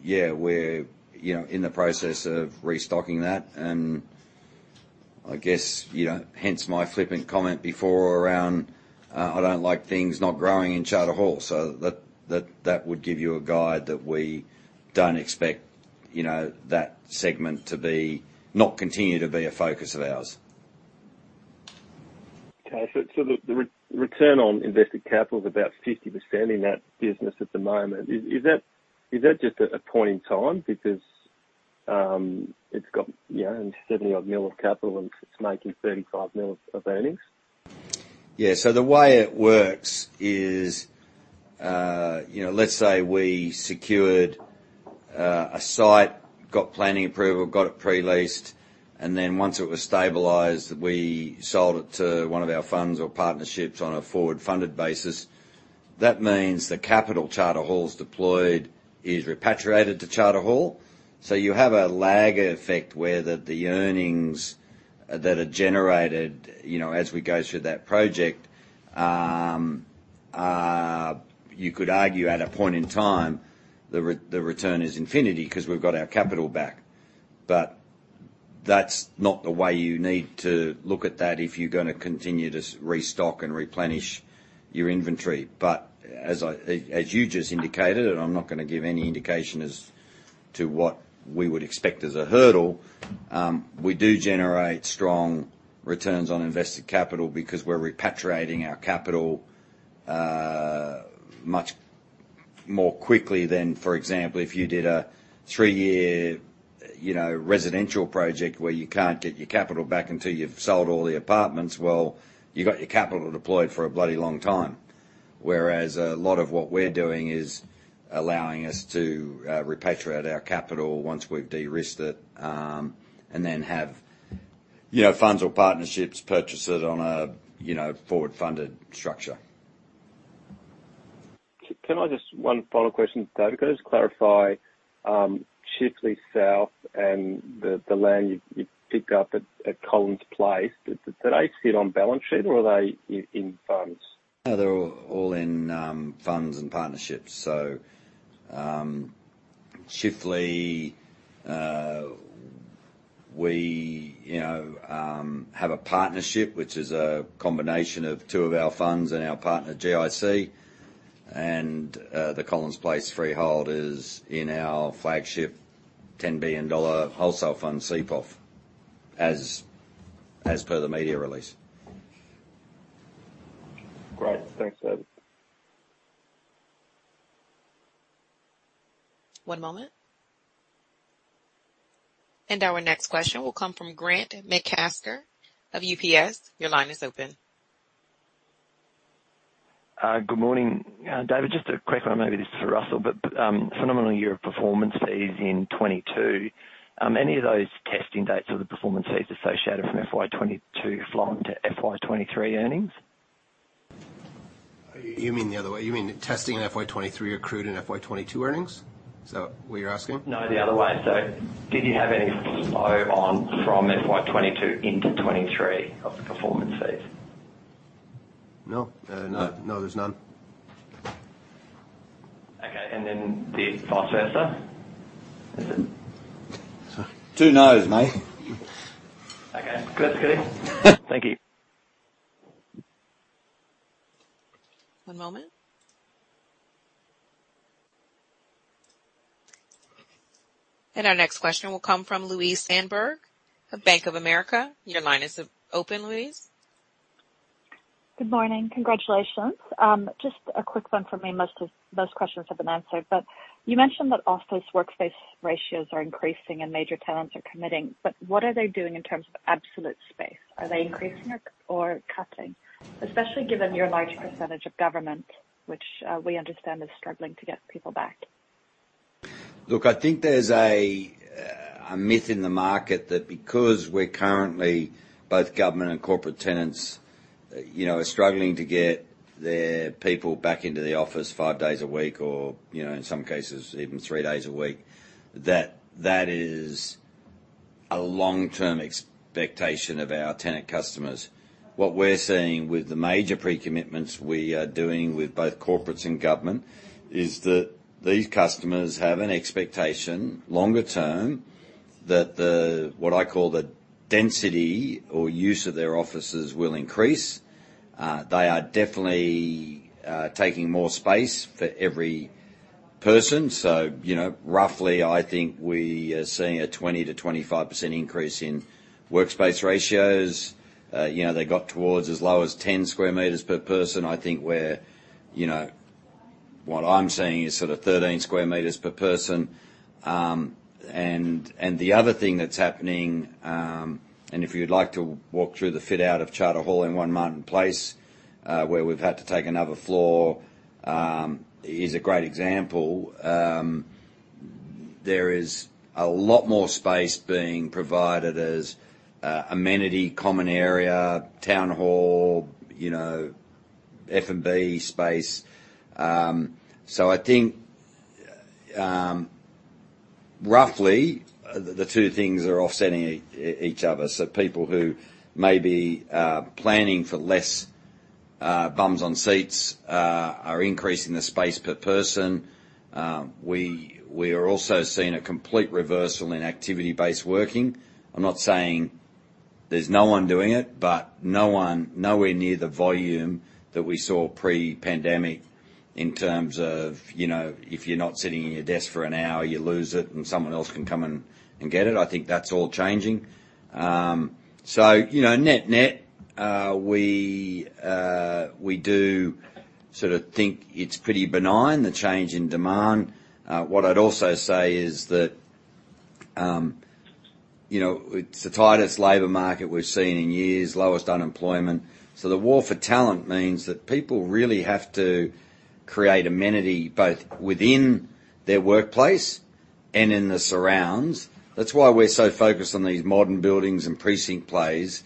you know, we're in the process of restocking that. I guess, you know, hence my flippant comment before around I don't like things not growing in Charter Hall. That would give you a guide that we don't expect, you know, that segment to not continue to be a focus of ours. The return on invested capital is about 50% in that business at the moment. Is that just a point in time? Because it's got, you know, 70-odd million of capital, and it's making 35 million of earnings. Yeah. The way it works is, you know, let's say we secured a site, got planning approval, got it pre-leased, and then once it was stabilized, we sold it to one of our funds or partnerships on a forward-funded basis. That means the capital Charter Hall's deployed is repatriated to Charter Hall. You have a lag effect where the earnings that are generated, you know, as we go through that project, you could argue at a point in time, the return is infinity 'cause we've got our capital back. That's not the way you need to look at that if you're gonna continue to restock and replenish your inventory. As I... As you just indicated, and I'm not gonna give any indication as to what we would expect as a hurdle, we do generate strong returns on invested capital because we're repatriating our capital much more quickly than, for example, if you did a three-year, you know, residential project where you can't get your capital back until you've sold all the apartments. Well, you got your capital deployed for a bloody long time. Whereas a lot of what we're doing is allowing us to repatriate our capital once we've de-risked it, and then have, you know, funds or partnerships purchase it on a, you know, forward-funded structure. One final question, David. Can I just clarify, Chifley South and the land you picked up at Collins Place, do they sit on balance sheet or are they in funds? No, they're all in funds and partnerships. Chifley, we, you know, have a partnership which is a combination of two of our funds and our partner, GIC. The Collins Place freehold is in our flagship AUD 10 billion wholesale fund, CPIF, as per the media release. Great. Thanks, David. One moment. Our next question will come from Grant McCasker of UBS. Your line is open. Good morning. David, just a quick one, maybe this is for Russell, but phenomenal year of performance fees in 2022. Any of those testing dates or the performance fees associated from FY 2022 flow on to FY 2023 earnings? You mean the other way. You mean testing in FY 2023 accrued in FY 2022 earnings? Is that what you're asking? No, the other way. Did you have any flow on from FY 2022 into FY 2023 of the performance fees? No, there's none. Okay. The vice versa? That's it. Two no's, mate. Okay. Good. Goody. Thank you. One moment. Our next question will come from Louise Sandberg of Bank of America. Your line is open, Louise. Good morning. Congratulations. Just a quick one from me. Most questions have been answered, but you mentioned that office workspace ratios are increasing and major tenants are committing, but what are they doing in terms of absolute space? Are they increasing or cutting? Especially given your large percentage of government, which we understand is struggling to get people back. Look, I think there's a myth in the market that because we're currently both government and corporate tenants, you know, are struggling to get their people back into the office five days a week or, you know, in some cases even three days a week, that is a long-term expectation of our tenant customers. What we're seeing with the major pre-commitments we are doing with both corporates and government, is that these customers have an expectation longer term that the, what I call the density or use of their offices will increase. They are definitely taking more space for every person. So, you know, roughly, I think we are seeing a 20%-25% increase in workspace ratios. You know, they got towards as low as 10 square meters per person. I think we're What I'm seeing is sort of 13 square meters per person. The other thing that's happening, if you'd like to walk through the fit out of Charter Hall in One Martin Place, where we've had to take another floor, is a great example. There is a lot more space being provided as amenity, common area, town hall, you know, F&B space. I think, roughly the two things are offsetting each other. People who may be planning for less bums on seats are increasing the space per person. We are also seeing a complete reversal in activity based working. I'm not saying there's no one doing it, but no one, nowhere near the volume that we saw pre-pandemic in terms of, you know, if you're not sitting in your desk for an hour, you lose it and someone else can come and get it. I think that's all changing. You know, net-net, we do sort of think it's pretty benign, the change in demand. What I'd also say is that, you know, it's the tightest labor market we've seen in years, lowest unemployment. The war for talent means that people really have to create amenity both within their workplace and in the surrounds. That's why we're so focused on these modern buildings and precinct plays.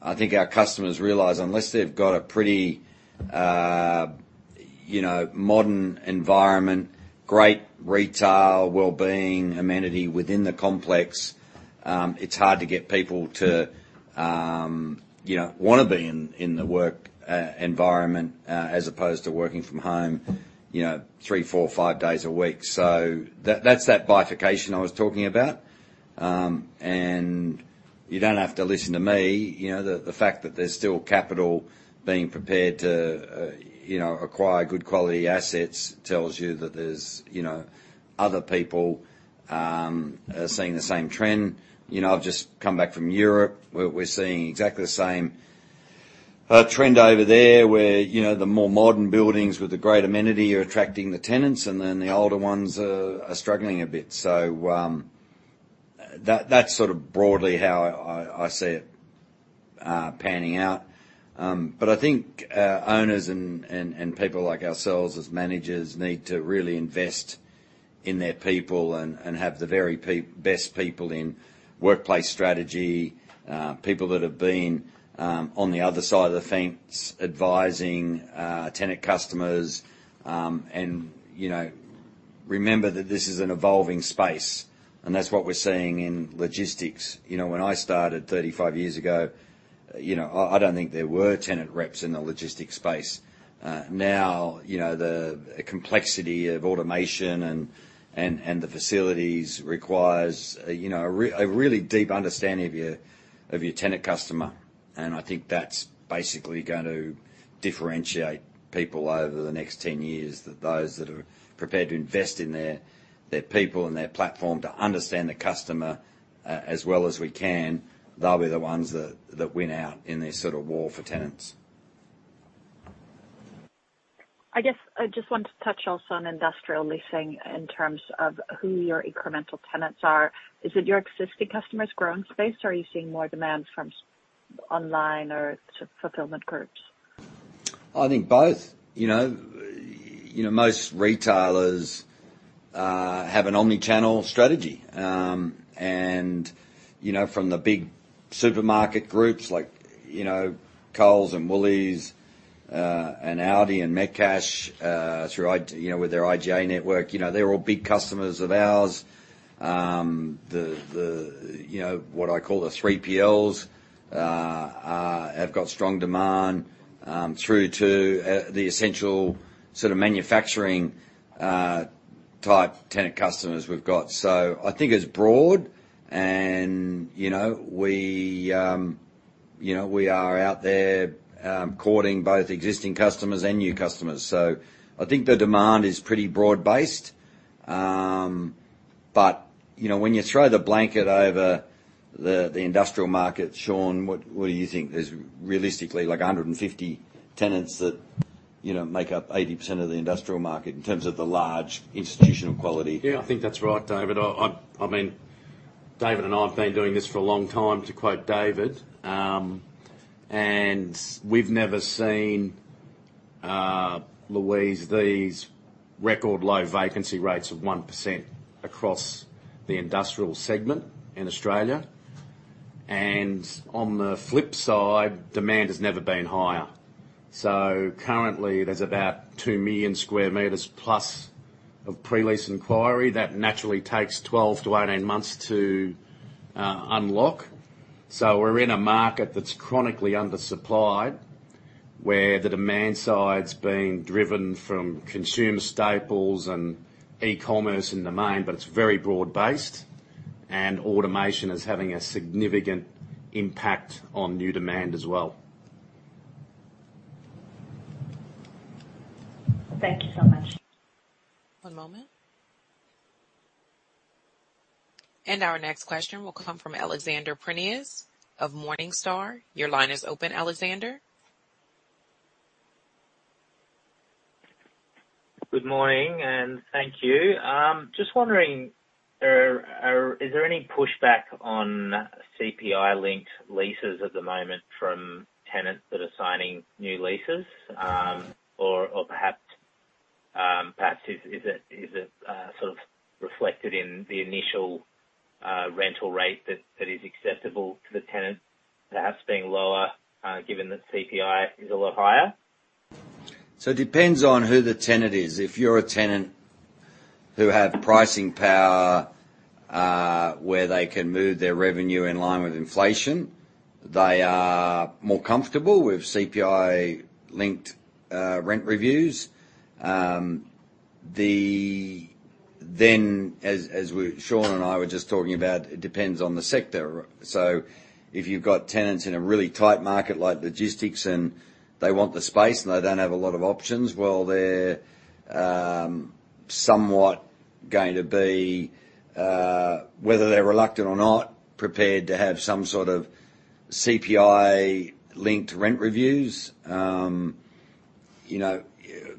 I think our customers realize, unless they've got a pretty, you know, modern environment, great retail, well-being, amenity within the complex, it's hard to get people to, you know, wanna be in the work environment as opposed to working from home, you know, 3 days, 4 days, 5 days a week. That's that bifurcation I was talking about. You don't have to listen to me, you know, the fact that there's still capital being prepared to, you know, acquire good quality assets tells you that there's, you know, other people are seeing the same trend. You know, I've just come back from Europe. We're seeing exactly the same trend over there where, you know, the more modern buildings with the great amenity are attracting the tenants and then the older ones are struggling a bit. That's sort of broadly how I see it panning out. I think owners and people like ourselves as managers need to really invest in their people and have the best people in workplace strategy, people that have been on the other side of the fence advising tenant customers, and you know. Remember that this is an evolving space, and that's what we're seeing in logistics. You know, when I started 35 years ago, you know, I don't think there were tenant reps in the logistics space. Now, you know, the complexity of automation and the facilities requires a really deep understanding of your tenant customer. I think that's basically going to differentiate people over the next 10 years, that those that are prepared to invest in their people and their platform to understand the customer as well as we can, they'll be the ones that win out in this sort of war for tenants. I guess I just wanted to touch also on industrial leasing in terms of who your incremental tenants are. Is it your existing customers growing space, or are you seeing more demand from online or fulfillment groups? I think both. You know, most retailers have an omni-channel strategy. You know, from the big supermarket groups like, you know, Coles and Woolies, and Aldi and Metcash, through IGA, you know, with their IGA network, you know, they're all big customers of ours. You know, what I call the 3PLs have got strong demand, through to the essential sort of manufacturing type tenant customers we've got. I think it's broad and, you know, we are out there courting both existing customers and new customers. I think the demand is pretty broad-based. You know, when you throw the blanket over the industrial market, Sean, what do you think? There's realistically like 150 tenants that, you know, make up 80% of the industrial market in terms of the large institutional quality. Yeah, I think that's right, David. I mean, David and I have been doing this for a long time, to quote David, and we've never seen, Louise, these record low vacancy rates of 1% across the industrial segment in Australia. On the flip side, demand has never been higher. Currently there's about 2 million square meters plus of pre-lease inquiry that naturally takes 12-18 months to unlock. We're in a market that's chronically undersupplied, where the demand side's being driven from consumer staples and e-commerce in the main, but it's very broad based, and automation is having a significant impact on new demand as well. Thank you so much. One moment. Our next question will come from Alexander Prineas of Morningstar. Your line is open, Alexander. Good morning, and thank you. Just wondering, is there any pushback on CPI-linked leases at the moment from tenants that are signing new leases? Or perhaps is it sort of reflected in the initial rental rate that is acceptable to the tenant perhaps being lower, given that CPI is a lot higher? It depends on who the tenant is. If you're a tenant who have pricing power, where they can move their revenue in line with inflation, they are more comfortable with CPI-linked rent reviews. Then, as Sean and I were just talking about, it depends on the sector. If you've got tenants in a really tight market like logistics and they want the space and they don't have a lot of options, well, they're somewhat going to be, whether they're reluctant or not, prepared to have some sort of CPI-linked rent reviews. You know,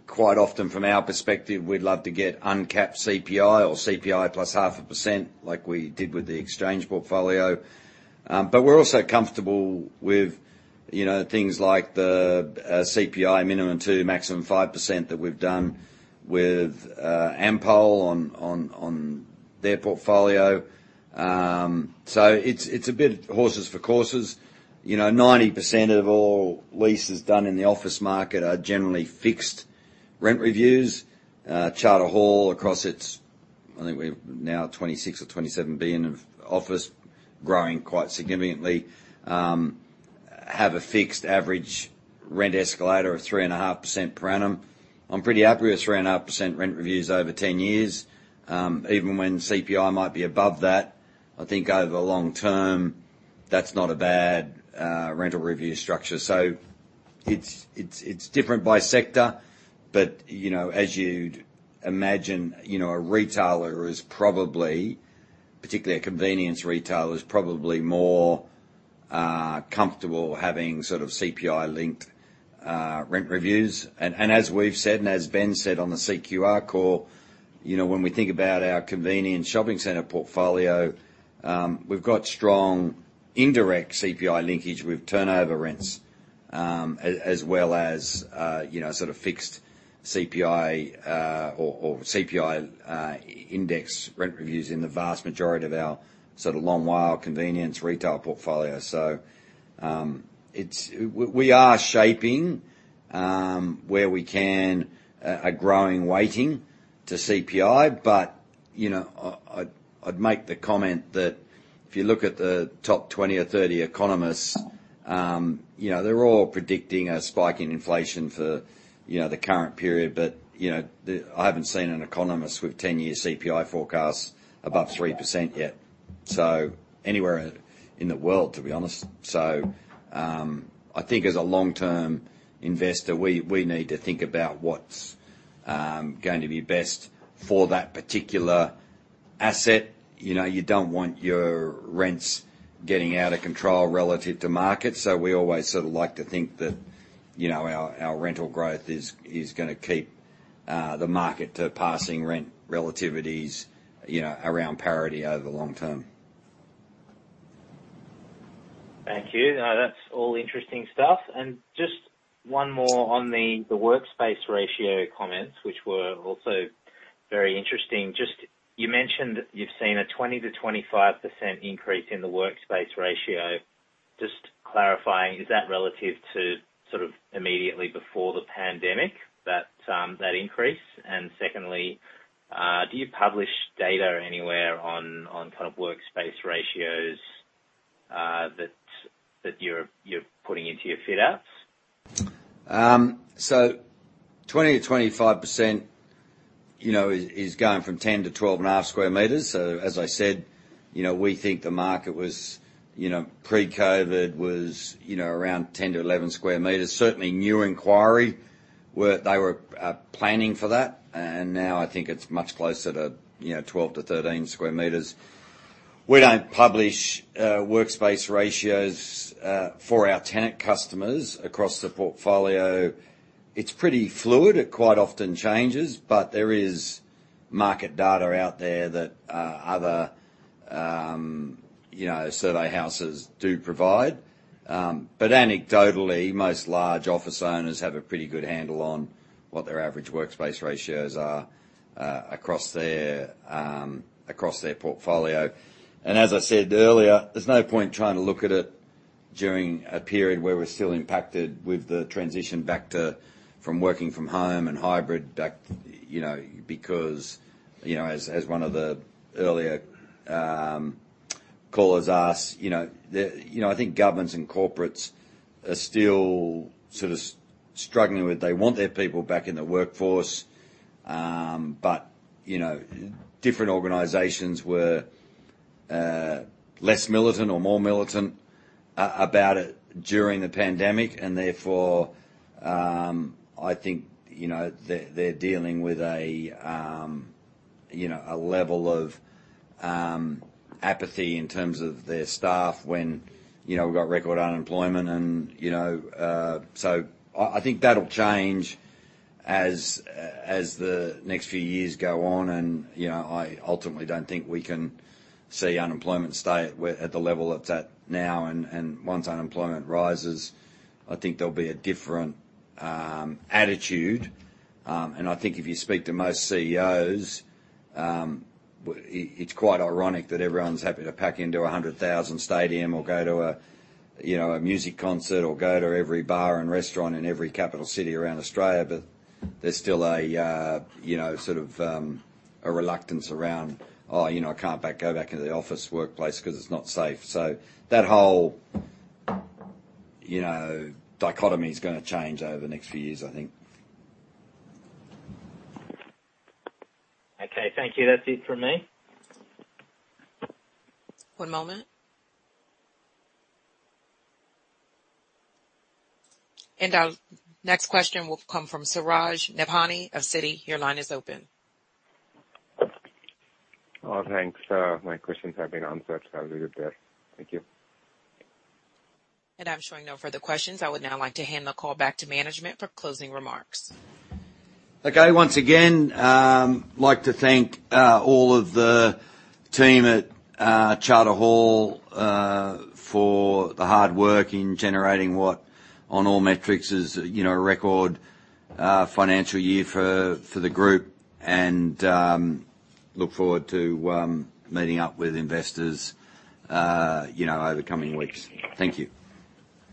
quite often from our perspective, we'd love to get uncapped CPI or CPI plus 0.5% like we did with the Exchange portfolio. We're also comfortable with, you know, things like the CPI minimum two, maximum five percent that we've done with Ampol on their portfolio. It's a bit horses for courses. You know, 90% of all leases done in the office market are generally fixed rent reviews. Charter Hall across its, I think we're now 26 billion or 27 billion of office growing quite significantly, have a fixed average rent escalator of 3.5% per annum. I'm pretty happy with 3.5% rent reviews over 10 years. Even when CPI might be above that, I think over the long term, that's not a bad rental review structure. It's different by sector. You know, as you'd imagine, you know, a retailer is probably more, particularly a convenience retailer, comfortable having sort of CPI-linked rent reviews. And as we've said, and as Ben said on the CQR call, you know, when we think about our convenience shopping center portfolio, we've got strong indirect CPI linkage with turnover rents, as well as, you know, sort of fixed CPI, or CPI index rent reviews in the vast majority of our sort of long WALE convenience retail portfolio. We are shaping, where we can, a growing weighting to CPI. I'd make the comment that if you look at the top 20 or 30 economists, you know, they're all predicting a spike in inflation for, you know, the current period. I haven't seen an economist with 10-year CPI forecasts above 3% yet, so anywhere in the world, to be honest. I think as a long-term investor, we need to think about what's going to be best for that particular asset. You know, you don't want your rents getting out of control relative to market. We always sort of like to think that, you know, our rental growth is gonna keep the market to passing rent relativities, you know, around parity over the long term. Thank you. That's all interesting stuff. Just one more on the workspace ratio comments, which were also very interesting. Just, you mentioned you've seen a 20%-25% increase in the workspace ratio. Just clarifying, is that relative to sort of immediately before the pandemic, that increase? Secondly, do you publish data anywhere on kind of workspace ratios, that you're putting into your fit outs? 20%-25%, you know, is going from 10 square meters-12.5 square meters. As I said, you know, we think the market was, you know, pre-COVID around 10 square meters-11 square meters. Certainly new inquiries were planning for that. Now I think it's much closer to, you know, 12 square meters-13 square meters. We don't publish workspace ratios for our tenant customers across the portfolio. It's pretty fluid. It quite often changes, but there is market data out there that other, you know, survey houses do provide. But anecdotally, most large office owners have a pretty good handle on what their average workspace ratios are across their portfolio. As I said earlier, there's no point trying to look at it during a period where we're still impacted with the transition back from working from home and hybrid back, you know, because you know, as one of the earlier callers asked, you know, I think governments and corporates are still sort of struggling with, they want their people back in the workforce. But you know, different organizations were less militant or more militant about it during the pandemic. Therefore, I think you know, they're dealing with a level of apathy in terms of their staff when you know, we've got record unemployment and you know. I think that'll change as the next few years go on. You know, I ultimately don't think we can see unemployment stay at the level it's at now. Once unemployment rises, I think there'll be a different attitude. I think if you speak to most CEOs, it's quite ironic that everyone's happy to pack into a 100,000 stadium or go to a music concert or go to every bar and restaurant in every capital city around Australia. There's still a you know, sort of, a reluctance around, "Oh, you know, I can't go back into the office workplace 'cause it's not safe." That whole you know, dichotomy is gonna change over the next few years, I think. Okay, thank you. That's it from me. One moment. Our next question will come from Suraj Nebhani of Citi. Your line is open. Oh, thanks. My questions have been answered. Thank you. I'm showing no further questions. I would now like to hand the call back to management for closing remarks. Okay. Once again, like to thank all of the team at Charter Hall for the hard work in generating what on all metrics is, you know, a record financial year for the group. Look forward to meeting up with investors, you know, over coming weeks. Thank you.